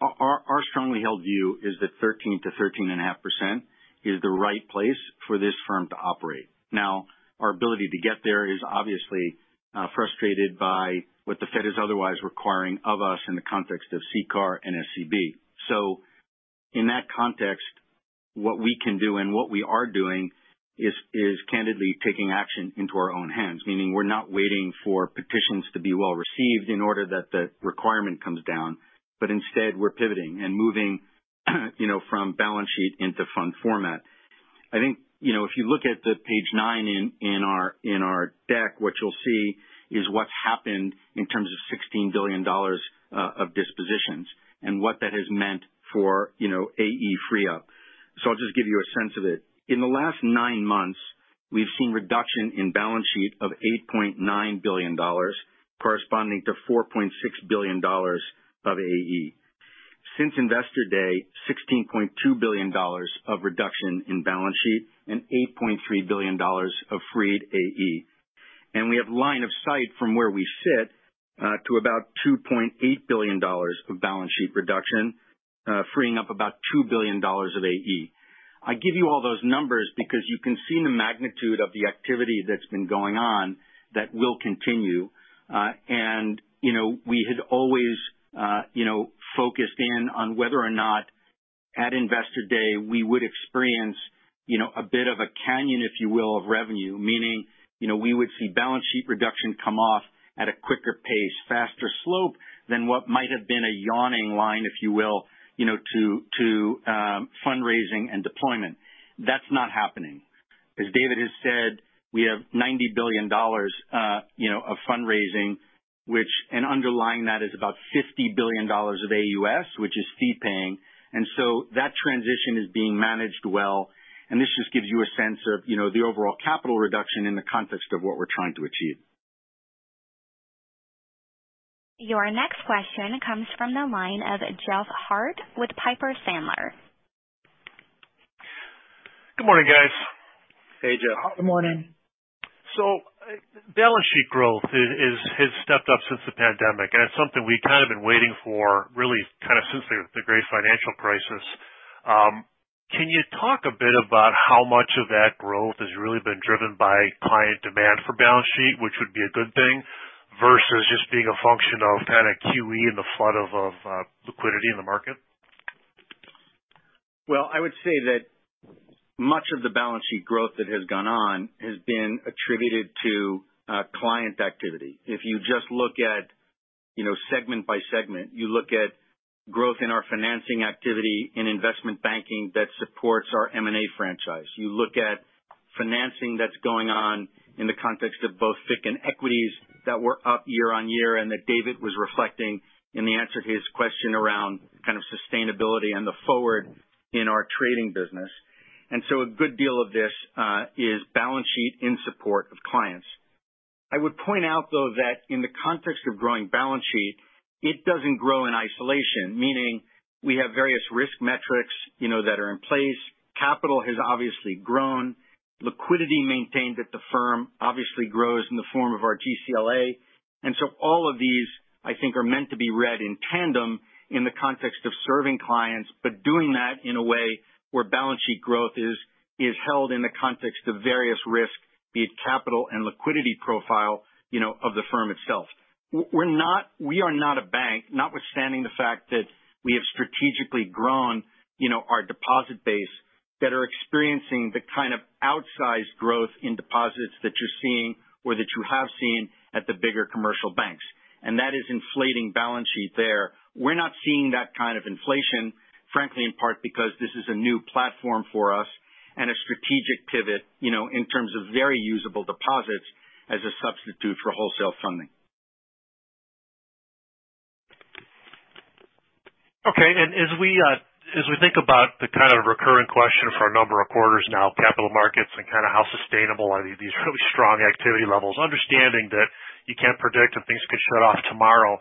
Our strongly held view is that 13%-13.5% is the right place for this firm to operate. Our ability to get there is obviously frustrated by what the Fed is otherwise requiring of us in the context of CCAR and SCB. In that context, what we can do and what we are doing is candidly taking action into our own hands, meaning we're not waiting for petitions to be well-received in order that the requirement comes down, but instead we're pivoting and moving from balance sheet into fund format. If you look at the page nine in our deck, what you'll see is what's happened in terms of $16 billion of dispositions and what that has meant for AE free up. I'll just give you a sense of it. In the last nine months, we've seen reduction in balance sheet of $8.9 billion, corresponding to $4.6 billion of AE. Since Investor Day, $16.2 billion of reduction in balance sheet and $8.3 billion of freed AE. We have line of sight from where we sit to about $2.8 billion of balance sheet reduction, freeing up about $2 billion of AE. I give you all those numbers because you can see the magnitude of the activity that's been going on that will continue. We had always focused in on whether or not at Investor Day we would experience a bit of a canyon, if you will, of revenue, meaning we would see balance sheet reduction come off at a quicker pace, faster slope than what might have been a yawning line, if you will, to fundraising and deployment. That's not happening. As David has said, we have $90 billion of fundraising, and underlying that is about $50 billion of AUS, which is fee paying. That transition is being managed well, and this just gives you a sense of the overall capital reduction in the context of what we're trying to achieve. Your next question comes from the line of Jeff Harte with Piper Sandler. Good morning, guys. Hey, Jeff. Good morning. Balance sheet growth has stepped up since the pandemic, and it's something we kind of been waiting for really since the great financial crisis. Can you talk a bit about how much of that growth has really been driven by client demand for balance sheet, which would be a good thing, versus just being a function of kind of QE and the flood of liquidity in the market? Well, I would say that much of the balance sheet growth that has gone on has been attributed to client activity. If you just look at segment by segment, you look at growth in our financing activity in investment banking that supports our M&A franchise. You look at financing that's going on in the context of both FICC and equities that were up year-on-year, and that David was reflecting in the answer to his question around kind of sustainability and the forward in our trading business. A good deal of this is balance sheet in support of clients. I would point out, though, that in the context of growing balance sheet, it doesn't grow in isolation, meaning we have various risk metrics that are in place. Capital has obviously grown. Liquidity maintained at the firm obviously grows in the form of our GCLA. All of these, I think, are meant to be read in tandem in the context of serving clients, but doing that in a way where balance sheet growth is held in the context of various risk, be it capital and liquidity profile of the firm itself. We are not a bank, notwithstanding the fact that we have strategically grown our deposit base that are experiencing the kind of outsized growth in deposits that you're seeing or that you have seen at the bigger commercial banks. That is inflating balance sheet there. We're not seeing that kind of inflation, frankly, in part because this is a new platform for us and a strategic pivot in terms of very usable deposits as a substitute for wholesale funding. Okay. As we think about the kind of recurring question for a number of quarters now, capital markets and kind of how sustainable are these really strong activity levels, understanding that you can't predict if things could shut off tomorrow.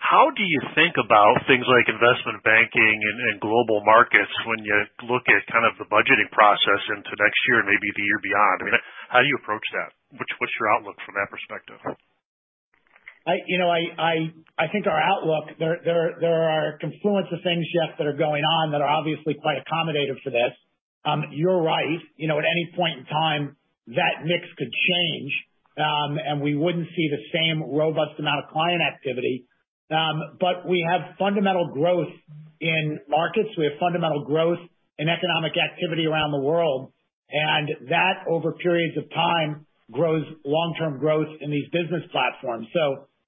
How do you think about things like investment banking and global markets when you look at kind of the budgeting process into next year and maybe the year beyond? I mean, how do you approach that? What's your outlook from that perspective? I think our outlook, there are a confluence of things, Jeff, that are going on that are obviously quite accommodative for this. You're right. At any point in time, that mix could change, and we wouldn't see the same robust amount of client activity. We have fundamental growth in markets. We have fundamental growth in economic activity around the world. That, over periods of time, grows long-term growth in these business platforms.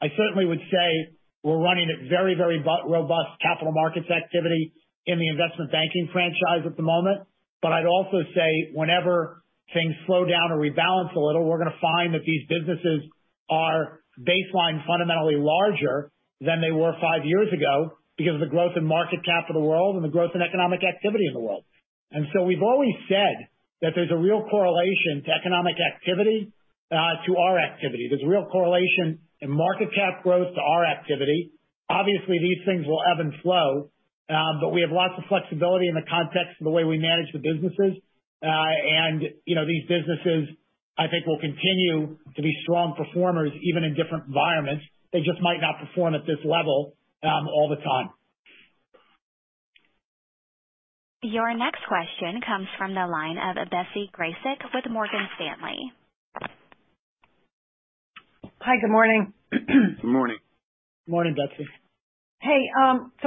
I certainly would say we're running at very robust capital markets activity in the investment banking franchise at the moment. I'd also say whenever things slow down or rebalance a little, we're going to find that these businesses are baseline fundamentally larger than they were five years ago because of the growth in market cap of the world and the growth in economic activity in the world. We've always said that there's a real correlation to economic activity to our activity. There's a real correlation in market cap growth to our activity. Obviously, these things will ebb and flow. We have lots of flexibility in the context of the way we manage the businesses. These businesses, I think, will continue to be strong performers, even in different environments. They just might not perform at this level all the time. Your next question comes from the line of Betsy Graseck with Morgan Stanley. Hi, good morning. Good morning. Morning, Betsy. Hey.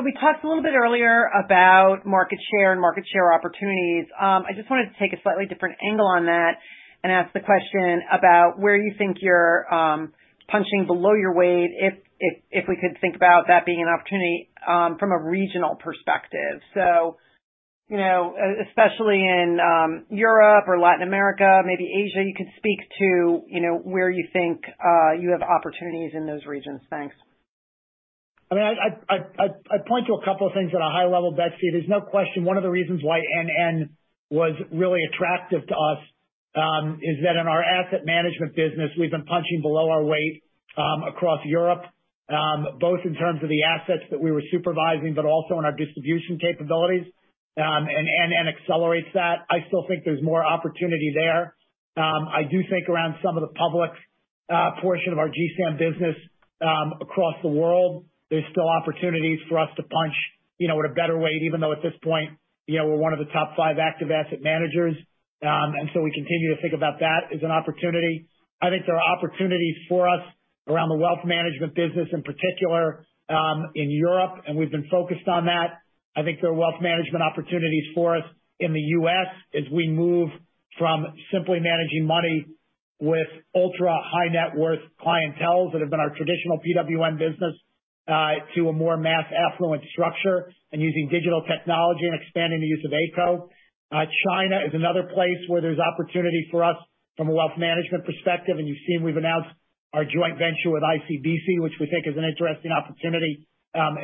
We talked a little bit earlier about market share and market share opportunities. I just wanted to take a slightly different angle on that and ask the question about where you think you're punching below your weight, if we could think about that being an opportunity from a regional perspective. Especially in Europe or Latin America, maybe Asia, you could speak to where you think you have opportunities in those regions. Thanks. I mean, I'd point to a couple of things at a high level, Betsy. There's no question one of the reasons why NN was really attractive to us is that in our asset management business, we've been punching below our weight across Europe. Both in terms of the assets that we were supervising, but also in our distribution capabilities. NN accelerates that. I still think there's more opportunity there. I do think around some of the public portion of our GSAM business across the world, there's still opportunities for us to punch at a better weight, even though at this point we're one of the top five active asset managers. We continue to think about that as an opportunity. I think there are opportunities for us around the wealth management business in particular in Europe, and we've been focused on that. I think there are wealth management opportunities for us in the U.S. as we move from simply managing money with ultra-high net worth clienteles that have been our traditional PWM business to a more mass affluent structure and using digital technology and expanding the use of Ayco. China is another place where there's opportunity for us from a wealth management perspective. You've seen we've announced our joint venture with ICBC, which we think is an interesting opportunity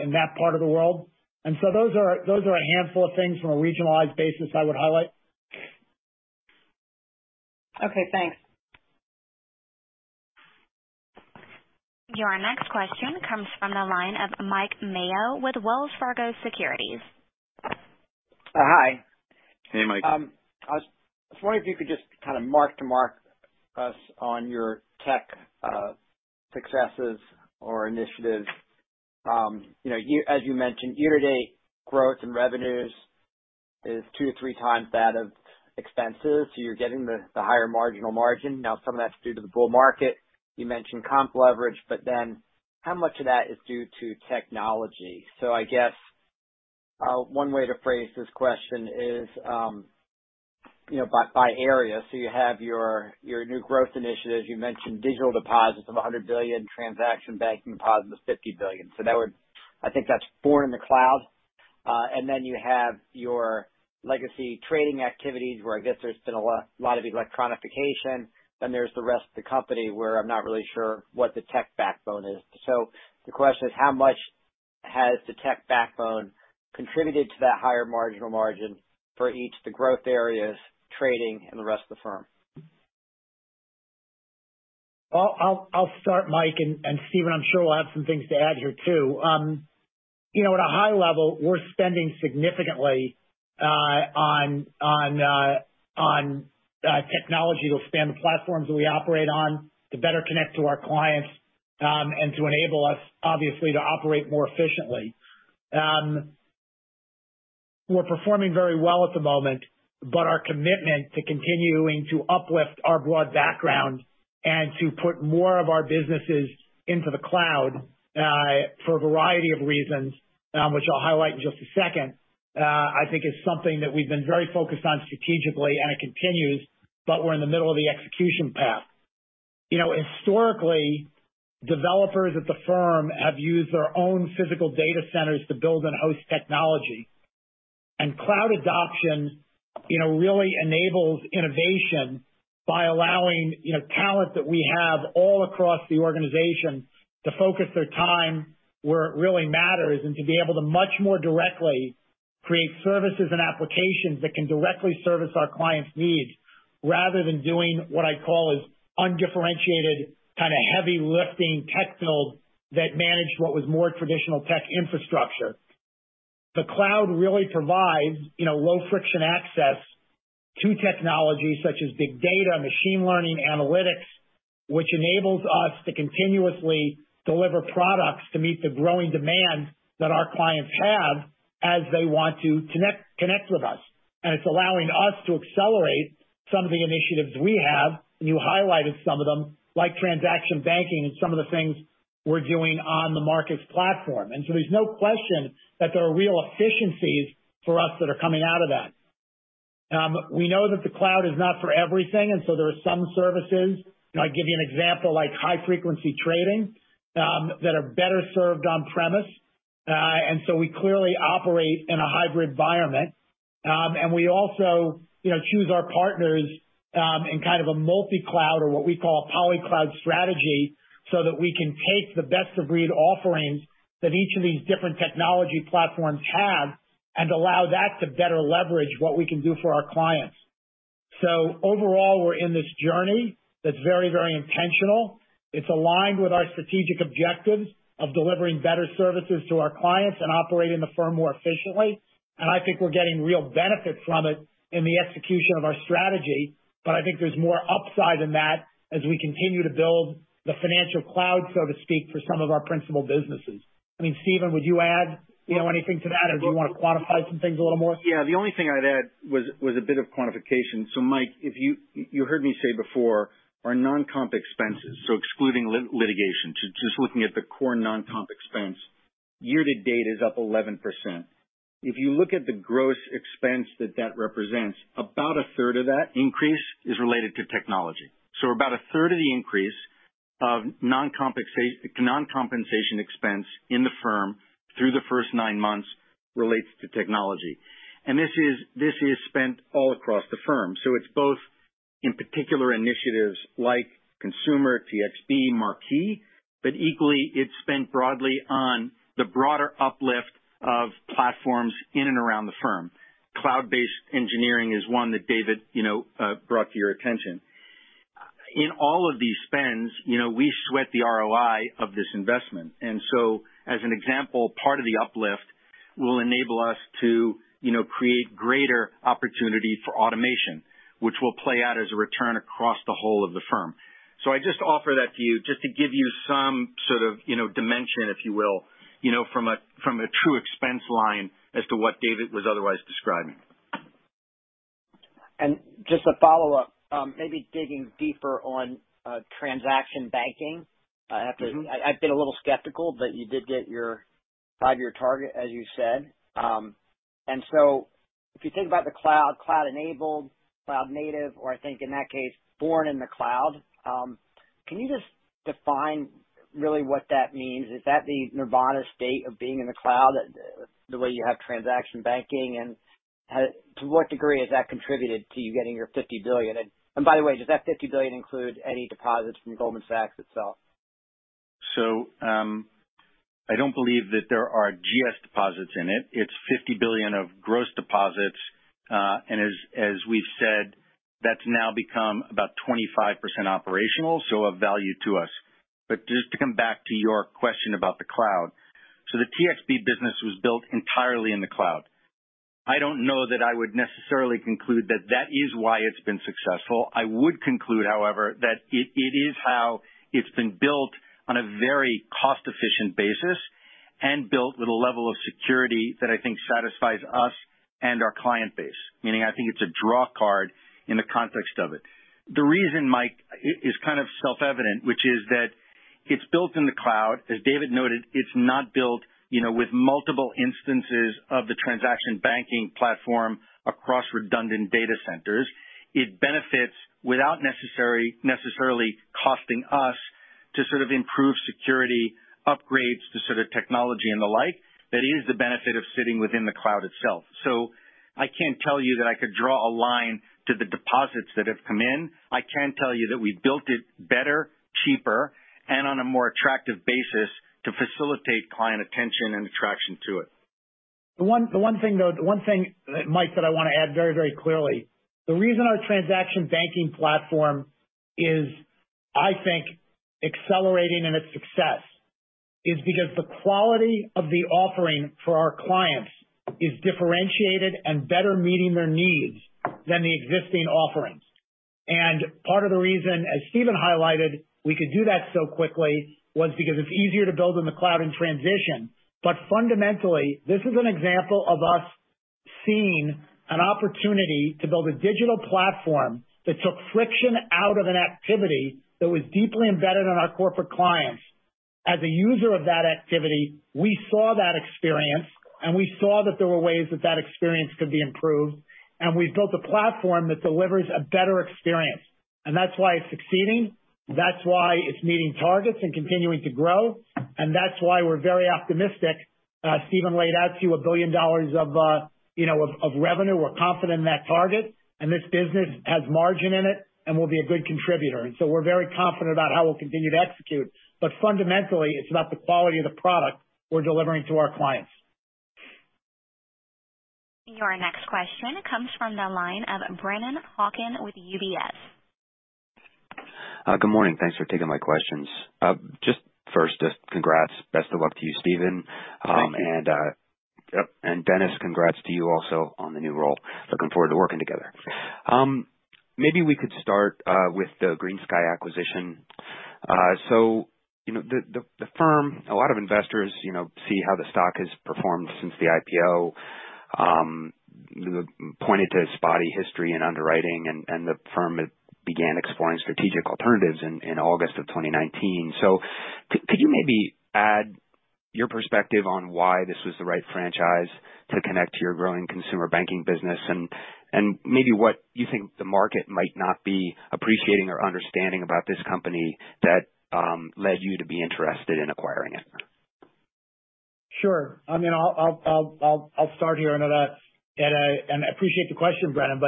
in that part of the world. Those are a handful of things from a regionalized basis I would highlight. Okay, thanks. Your next question comes from the line of Mike Mayo with Wells Fargo Securities. Hi. Hey, Mike. I was wondering if you could just kind of mark to mark us on your tech successes or initiatives. As you mentioned, year-to-date growth in revenues is 2-3 times that of expenses. You're getting the higher marginal margin. Some of that's due to the bull market. You mentioned comp leverage, how much of that is due to technology? I guess one way to phrase this question is by area. You have your new growth initiatives. You mentioned digital deposits of $100 billion, transaction banking deposits of $50 billion. I think that's born in the cloud. You have your legacy trading activities where I guess there's been a lot of electronification. There's the rest of the company where I'm not really sure what the tech backbone is. The question is how much has the tech backbone contributed to that higher marginal margin for each the growth areas, trading, and the rest of the firm? I'll start, Mike, and Stephen, I'm sure will have some things to add here too. At a high level, we're spending significantly on technology to expand the platforms that we operate on to better connect to our clients, and to enable us, obviously, to operate more efficiently. We're performing very well at the moment, but our commitment to continuing to uplift our broad background and to put more of our businesses into the cloud for a variety of reasons, which I'll highlight in just a second, I think is something that we've been very focused on strategically, and it continues, but we're in the middle of the execution path. Historically, developers at the firm have used their own physical data centers to build and host technology. Cloud adoption really enables innovation by allowing talent that we have all across the organization to focus their time where it really matters, and to be able to much more directly create services and applications that can directly service our clients' needs, rather than doing what I call is undifferentiated, heavy lifting tech build that managed what was more traditional tech infrastructure. The cloud really provides low friction access to technologies such as big data, machine learning, analytics, which enables us to continuously deliver products to meet the growing demand that our clients have as they want to connect with us. It's allowing us to accelerate some of the initiatives we have, and you highlighted some of them, like transaction banking and some of the things we're doing on the markets platform. There's no question that there are real efficiencies for us that are coming out of that. We know that the cloud is not for everything. There are some services, I'll give you an example, like high frequency trading, that are better served on premise. We clearly operate in a hybrid environment. We also choose our partners in kind of a multi-cloud or what we call polycloud strategy, so that we can take the best of breed offerings that each of these different technology platforms have and allow that to better leverage what we can do for our clients. Overall, we're in this journey that's very intentional. It's aligned with our strategic objectives of delivering better services to our clients and operating the firm more efficiently. I think we're getting real benefit from it in the execution of our strategy. I think there's more upside in that as we continue to build the financial cloud, so to speak, for some of our principal businesses. Stephen, would you add anything to that? Or do you want to quantify some things a little more? Yeah. The only thing I'd add was a bit of quantification. Mike, you heard me say before, our non-comp expenses, so excluding litigation, to just looking at the core non-comp expense, year to date is up 11%. If you look at the gross expense that that represents, about a third of that increase is related to technology. About a third of the increase of non-compensation expense in the firm through the first nine months relates to technology. This is spent all across the firm. It's both in particular initiatives like Consumer, TXB, Marquee, but equally it's spent broadly on the broader uplift of platforms in and around the firm. Cloud-based engineering is one that David brought to your attention. In all of these spends, we sweat the ROI of this investment. As an example, part of the uplift will enable us to create greater opportunity for automation, which will play out as a return across the whole of the firm. I just offer that to you just to give you some sort of dimension, if you will, from a true expense line as to what David was otherwise describing. Just a follow-up, maybe digging deeper on transaction banking? I've been a little skeptical, you did get your five-year target, as you said. If you think about the cloud enabled, cloud native, or I think in that case, born in the cloud, can you just define really what that means? Is that the nirvana state of being in the cloud, the way you have transaction banking, and to what degree has that contributed to you getting your $50 billion? By the way, does that $50 billion include any deposits from Goldman Sachs itself? I don't believe that there are GS deposits in it. It's $50 billion of gross deposits. As we've said, that's now become about 25% operational, so of value to us. Just to come back to your question about the cloud. The TXB business was built entirely in the cloud. I don't know that I would necessarily conclude that that is why it's been successful. I would conclude, however, that it is how it's been built on a very cost-efficient basis and built with a level of security that I think satisfies us and our client base. Meaning, I think it's a draw card in the context of it. The reason, Mike, is kind of self-evident, which is that it's built in the cloud. As David noted, it's not built with multiple instances of the transaction banking platform across redundant data centers. It benefits without necessarily costing us to sort of improve security upgrades to sort of technology and the like. That is the benefit of sitting within the cloud itself. I can't tell you that I could draw a line to the deposits that have come in. I can tell you that we built it better, cheaper, and on a more attractive basis to facilitate client attention and attraction to it. The one thing, Mike, that I want to add very clearly. The reason our transaction banking platform is, I think, accelerating in its success is because the quality of the offering for our clients is differentiated and better meeting their needs than the existing offerings. Part of the reason, as Stephen highlighted, we could do that so quickly was because it's easier to build in the cloud and transition. Fundamentally, this is an example of us seeing an opportunity to build a digital platform that took friction out of an activity that was deeply embedded in our corporate clients. As a user of that activity, we saw that experience, and we saw that there were ways that that experience could be improved. We've built a platform that delivers a better experience. That's why it's succeeding, that's why it's meeting targets and continuing to grow. That's why we're very optimistic. Stephen laid out to you $1 billion of revenue. We're confident in that target, and this business has margin in it and will be a good contributor. So we're very confident about how we'll continue to execute. Fundamentally, it's about the quality of the product we're delivering to our clients. Your next question comes from the line of Brennan Hawken with UBS. Good morning. Thanks for taking my questions. Just first, congrats. Best of luck to you, Stephen. Thank you. Denis, congrats to you also on the new role. Looking forward to working together. Maybe we could start with the GreenSky acquisition. The firm, a lot of investors see how the stock has performed since the IPO, pointed to spotty history in underwriting, and the firm began exploring strategic alternatives in August of 2019. Could you maybe add your perspective on why this was the right franchise to connect to your growing consumer banking business? Maybe what you think the market might not be appreciating or understanding about this company that led you to be interested in acquiring it? Sure. I'll start here. I appreciate the question, Brennan.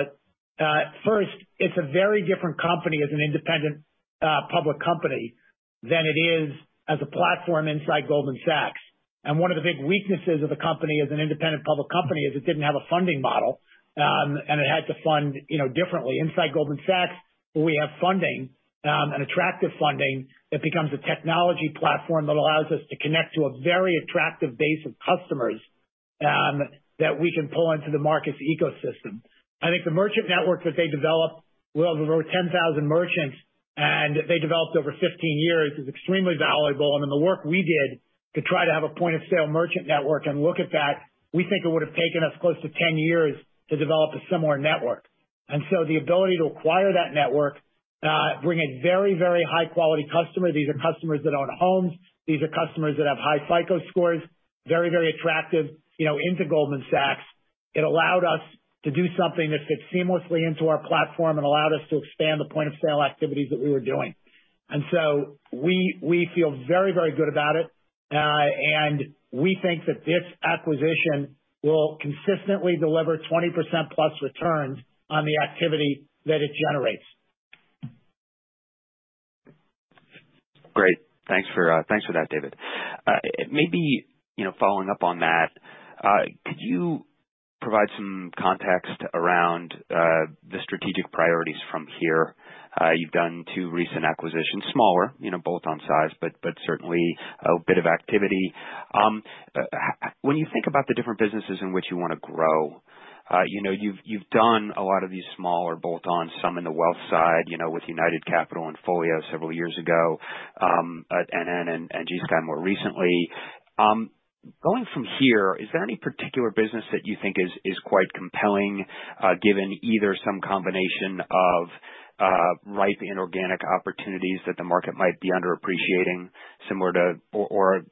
First, it's a very different company as an independent public company than it is as a platform inside Goldman Sachs. One of the big weaknesses of the company as an independent public company is it didn't have a funding model, and it had to fund differently. Inside Goldman Sachs, we have funding, an attractive funding that becomes a technology platform that allows us to connect to a very attractive base of customers that we can pull into the market's ecosystem. I think the merchant network that they developed with over 10,000 merchants, and they developed over 15 years, is extremely valuable. The work we did to try to have a point-of-sale merchant network and look at that, we think it would've taken us close to 10 years to develop a similar network. The ability to acquire that network, bring a very high-quality customer. These are customers that own homes. These are customers that have high FICO scores, very attractive into Goldman Sachs. It allowed us to do something that fits seamlessly into our platform and allowed us to expand the point-of-sale activities that we were doing. We feel very good about it. We think that this acquisition will consistently deliver 20%+ returns on the activity that it generates. Great. Thanks for that, David. Maybe following up on that, could you provide some context around the strategic priorities from here? You've done two recent acquisitions, smaller bolt-on size, but certainly a bit of activity. When you think about the different businesses in which you want to grow, you've done a lot of these smaller bolt-ons, some in the wealth side with United Capital and Folio several years ago, and then GreenSky more recently. Going from here, is there any particular business that you think is quite compelling given either some combination of ripe inorganic opportunities that the market might be underappreciating similar to, or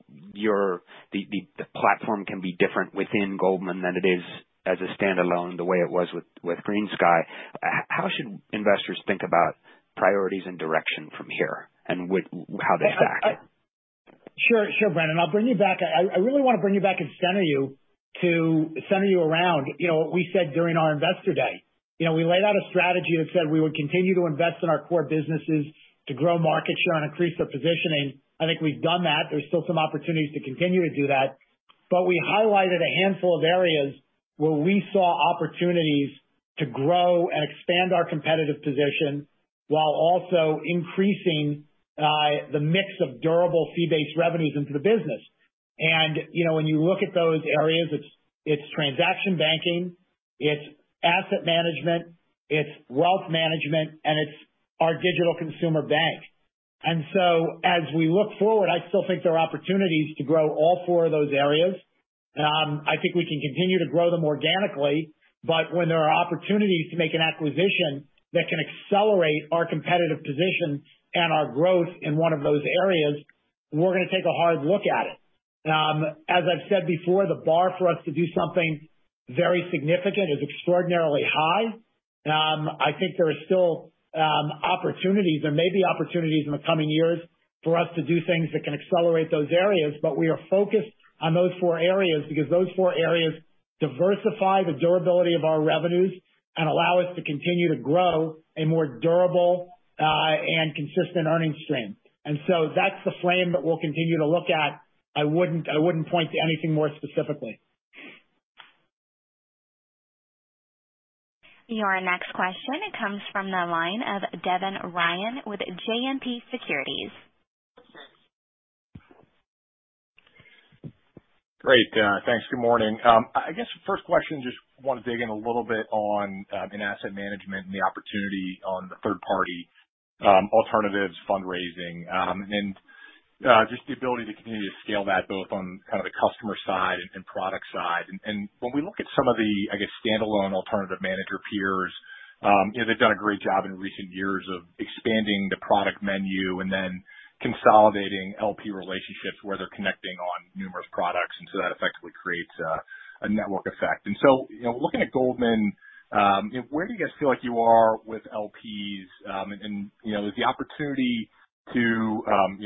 the platform can be different within Goldman than it is as a standalone, the way it was with GreenSky. How should investors think about priorities and direction from here and how they stack? Sure, Brennan. I really want to bring you back and center you around what we said during our Investor Day. We laid out a strategy that said we would continue to invest in our core businesses to grow market share and increase the positioning. I think we've done that. There's still some opportunities to continue to do that, but we highlighted a handful of areas where we saw opportunities to grow and expand our competitive position while also increasing the mix of durable fee-based revenues into the business. When you look at those areas, it's transaction banking, it's asset management, it's wealth management, and it's our digital consumer bank. As we look forward, I still think there are opportunities to grow all four of those areas. I think we can continue to grow them organically. When there are opportunities to make an acquisition that can accelerate our competitive position and our growth in 1 of those areas, we're going to take a hard look at it. As I've said before, the bar for us to do something very significant is extraordinarily high. I think there are still opportunities. There may be opportunities in the coming years for us to do things that can accelerate those areas. We are focused on those four areas because those four areas diversify the durability of our revenues and allow us to continue to grow a more durable and consistent earnings stream. That's the frame that we'll continue to look at. I wouldn't point to anything more specifically. Your next question comes from the line of Devin Ryan with JMP Securities. Great. Thanks. Good morning. I guess first question, just want to dig in a little bit on in Asset Management and the opportunity on the third party alternatives fundraising, and just the ability to continue to scale that both on the customer side and product side. When we look at some of the, I guess, standalone alternative manager peers, they've done a great job in recent years of expanding the product menu and then consolidating LP relationships where they're connecting on numerous products, and so that effectively creates a network effect. Looking at Goldman, where do you guys feel like you are with LPs? Is the opportunity to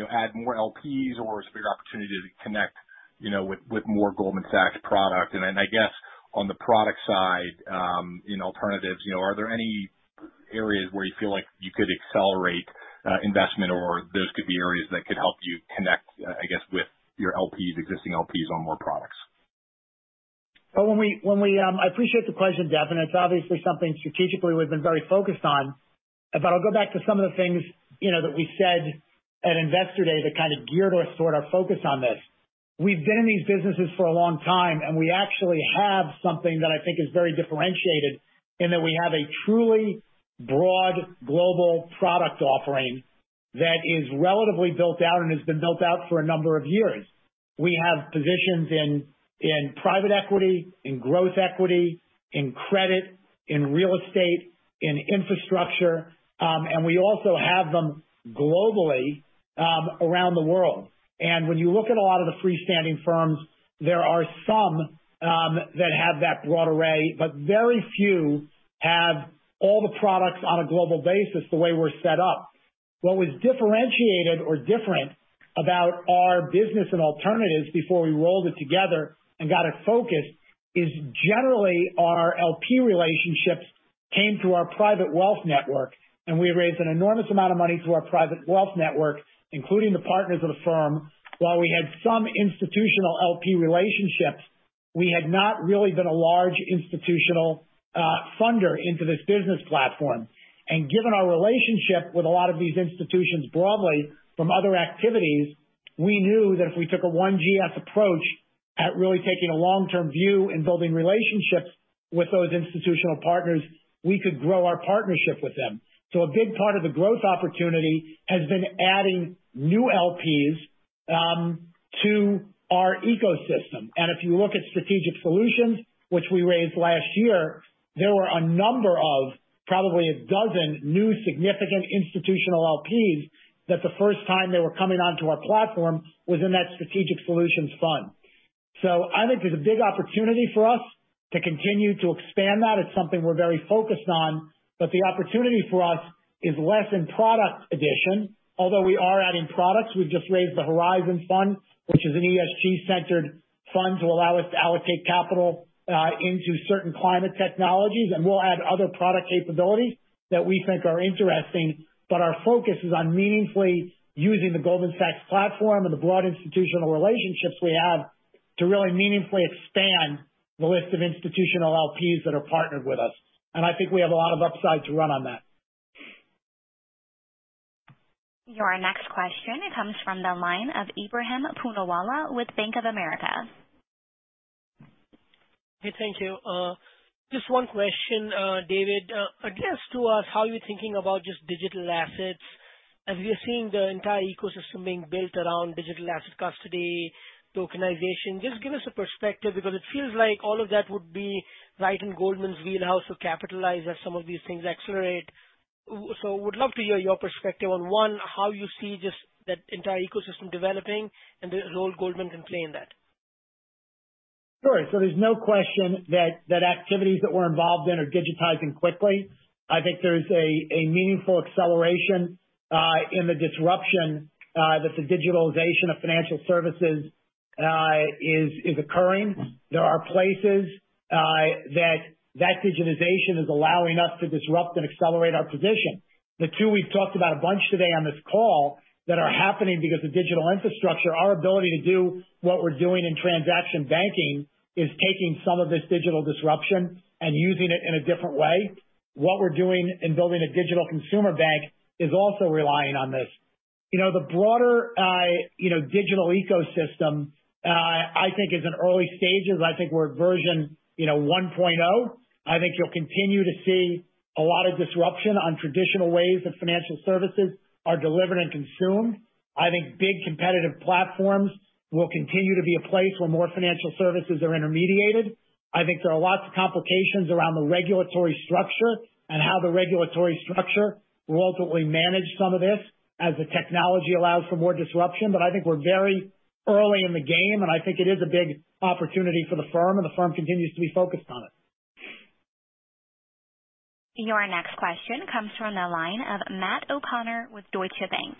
add more LPs or is a bigger opportunity to connect with more Goldman Sachs product? I guess on the product side, in alternatives, are there any areas where you feel like you could accelerate investment or those could be areas that could help you connect, I guess, with your LPs, existing LPs on more products? I appreciate the question, Devin. It's obviously something strategically we've been very focused on. I'll go back to some of the things that we said at Investor Day that geared our sort of focus on this. We've been in these businesses for a long time, and we actually have something that I think is very differentiated in that we have a truly broad global product offering that is relatively built out and has been built out for a number of years. We have positions in private equity, in growth equity, in credit, in real estate, in infrastructure, and we also have them globally, around the world. When you look at a lot of the freestanding firms, there are some that have that broad array, but very few have all the products on a global basis the way we're set up. What was differentiated or different about our business and alternatives before we rolled it together and got it focused is generally our LP relationships came through our private wealth network, and we raised an enormous amount of money through our private wealth network, including the partners of the firm. While we had some institutional LP relationships, we had not really been a large institutional funder into this business platform. Given our relationship with a lot of these institutions broadly from other activities, we knew that if we took a One GS approach at really taking a long-term view in building relationships with those institutional partners, we could grow our partnership with them. A big part of the growth opportunity has been adding new LPs to our ecosystem. If you look at Strategic Solutions, which we raised last year, there were a number of probably 12 new significant institutional LPs that the first time they were coming onto our platform was in that Strategic Solutions fund. I think there's a big opportunity for us to continue to expand that. It's something we're very focused on, but the opportunity for us is less in product addition. Although we are adding products, we've just raised the Horizon Fund, which is an ESG-centered fund to allow us to allocate capital into certain climate technologies. We'll add other product capabilities that we think are interesting, but our focus is on meaningfully using the Goldman Sachs platform and the broad institutional relationships we have to really meaningfully expand the list of institutional LPs that are partnered with us. I think we have a lot of upside to run on that. Your next question comes from the line of Ebrahim Poonawala with Bank of America. Hey, thank you. Just one question, David. I guess to us, how are you thinking about just digital assets as we are seeing the entire ecosystem being built around digital asset custody, tokenization? Just give us a perspective because it feels like all of that would be right in Goldman's wheelhouse to capitalize as some of these things accelerate. Would love to hear your perspective on 1, how you see just that entire ecosystem developing and the role Goldman can play in that. Sure. There's no question that activities that we're involved in are digitizing quickly. I think there's a meaningful acceleration in the disruption that the digitalization of financial services is occurring. There are places that digitization is allowing us to disrupt and accelerate our position. The two we've talked about a bunch today on this call that are happening because of digital infrastructure, our ability to do what we're doing in Transaction Banking is taking some of this digital disruption and using it in a different way. What we're doing in building a digital consumer bank is also relying on this. The broader digital ecosystem, I think is in early stages. I think we're version 1.0. I think you'll continue to see a lot of disruption on traditional ways that financial services are delivered and consumed. I think big competitive platforms will continue to be a place where more financial services are intermediated. I think there are lots of complications around the regulatory structure and how the regulatory structure will ultimately manage some of this as the technology allows for more disruption. I think we're very early in the game, and I think it is a big opportunity for the firm, and the firm continues to be focused on it. Your next question comes from the line of Matt O'Connor with Deutsche Bank.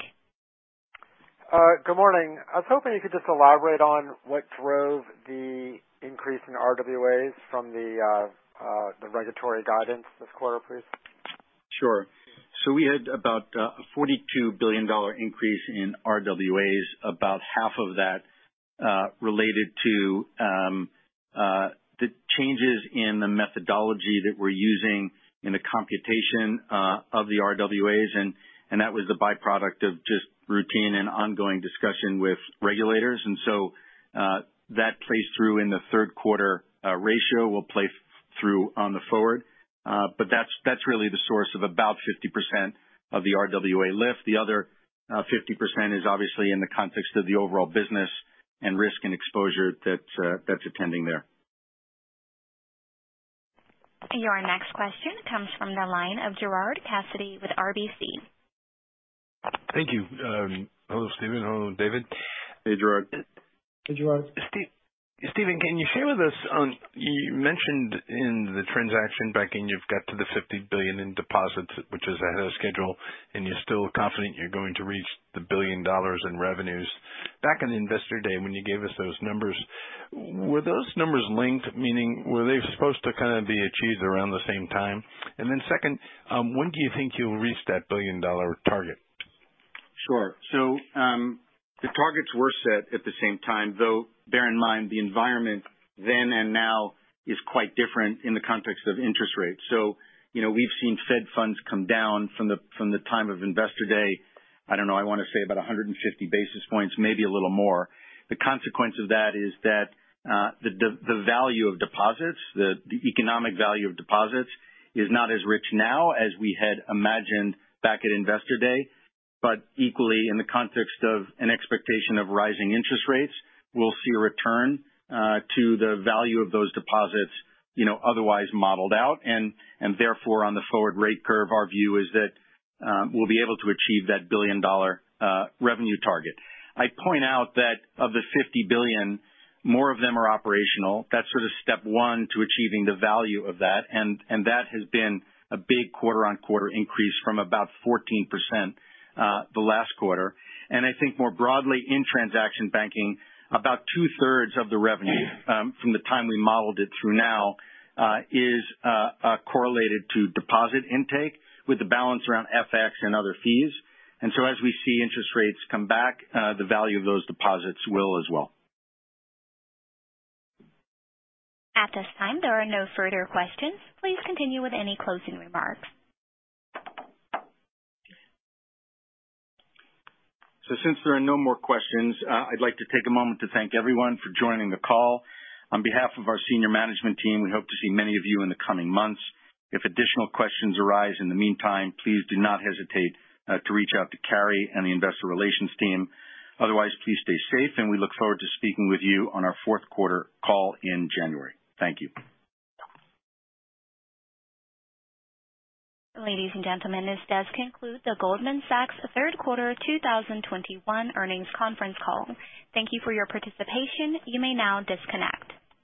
Good morning. I was hoping you could just elaborate on what drove the increase in RWAs from the regulatory guidance this quarter, please? Sure. We had about a $42 billion increase in RWAs. About half of that related to the changes in the methodology that we're using in the computation of the RWAs. That was the byproduct of just routine and ongoing discussion with regulators. That plays through in the third quarter ratio, will play through on the forward. That's really the source of about 50% of the RWA lift. The other 50% is obviously in the context of the overall business and risk and exposure that's attending there. Your next question comes from the line of Gerard Cassidy with RBC. Thank you. Hello, Stephen. Hello, David. Hey, Gerard. Hey, Gerard. Stephen, can you share with us You mentioned in the transaction backing you've got to the $50 billion in deposits, which is ahead of schedule, and you're still confident you're going to reach the $1 billion in revenues. Back in the Investor Day when you gave us those numbers, were those numbers linked? Meaning, were they supposed to kind of be achieved around the same time? Then second, when do you think you'll reach that billion-dollar target? Sure. The targets were set at the same time, though, bear in mind, the environment then and now is quite different in the context of interest rates. We've seen Fed funds come down from the time of Investor Day, I don't know, I want to say about 150 basis points, maybe a little more. The consequence of that is that the value of deposits, the economic value of deposits is not as rich now as we had imagined back at Investor Day. Equally, in the context of an expectation of rising interest rates, we'll see a return to the value of those deposits otherwise modeled out. Therefore, on the forward rate curve, our view is that we'll be able to achieve that billion-dollar revenue target. I point out that of the $50 billion, more of them are operational. That's sort of step one to achieving the value of that. That has been a big quarter-on-quarter increase from about 14% the last quarter. I think more broadly in transaction banking, about two-thirds of the revenue from the time we modeled it through now is correlated to deposit intake with the balance around FX and other fees. As we see interest rates come back, the value of those deposits will as well. At this time, there are no further questions. Please continue with any closing remarks. Since there are no more questions, I'd like to take a moment to thank everyone for joining the call. On behalf of our senior management team, we hope to see many of you in the coming months. If additional questions arise in the meantime, please do not hesitate to reach out to Carey and the Investor Relations team. Otherwise, please stay safe, and we look forward to speaking with you on our fourth quarter call in January. Thank you. Ladies and gentlemen, this does conclude the Goldman Sachs Third Quarter 2021 Earnings Conference Call. Thank you for your participation. You may now disconnect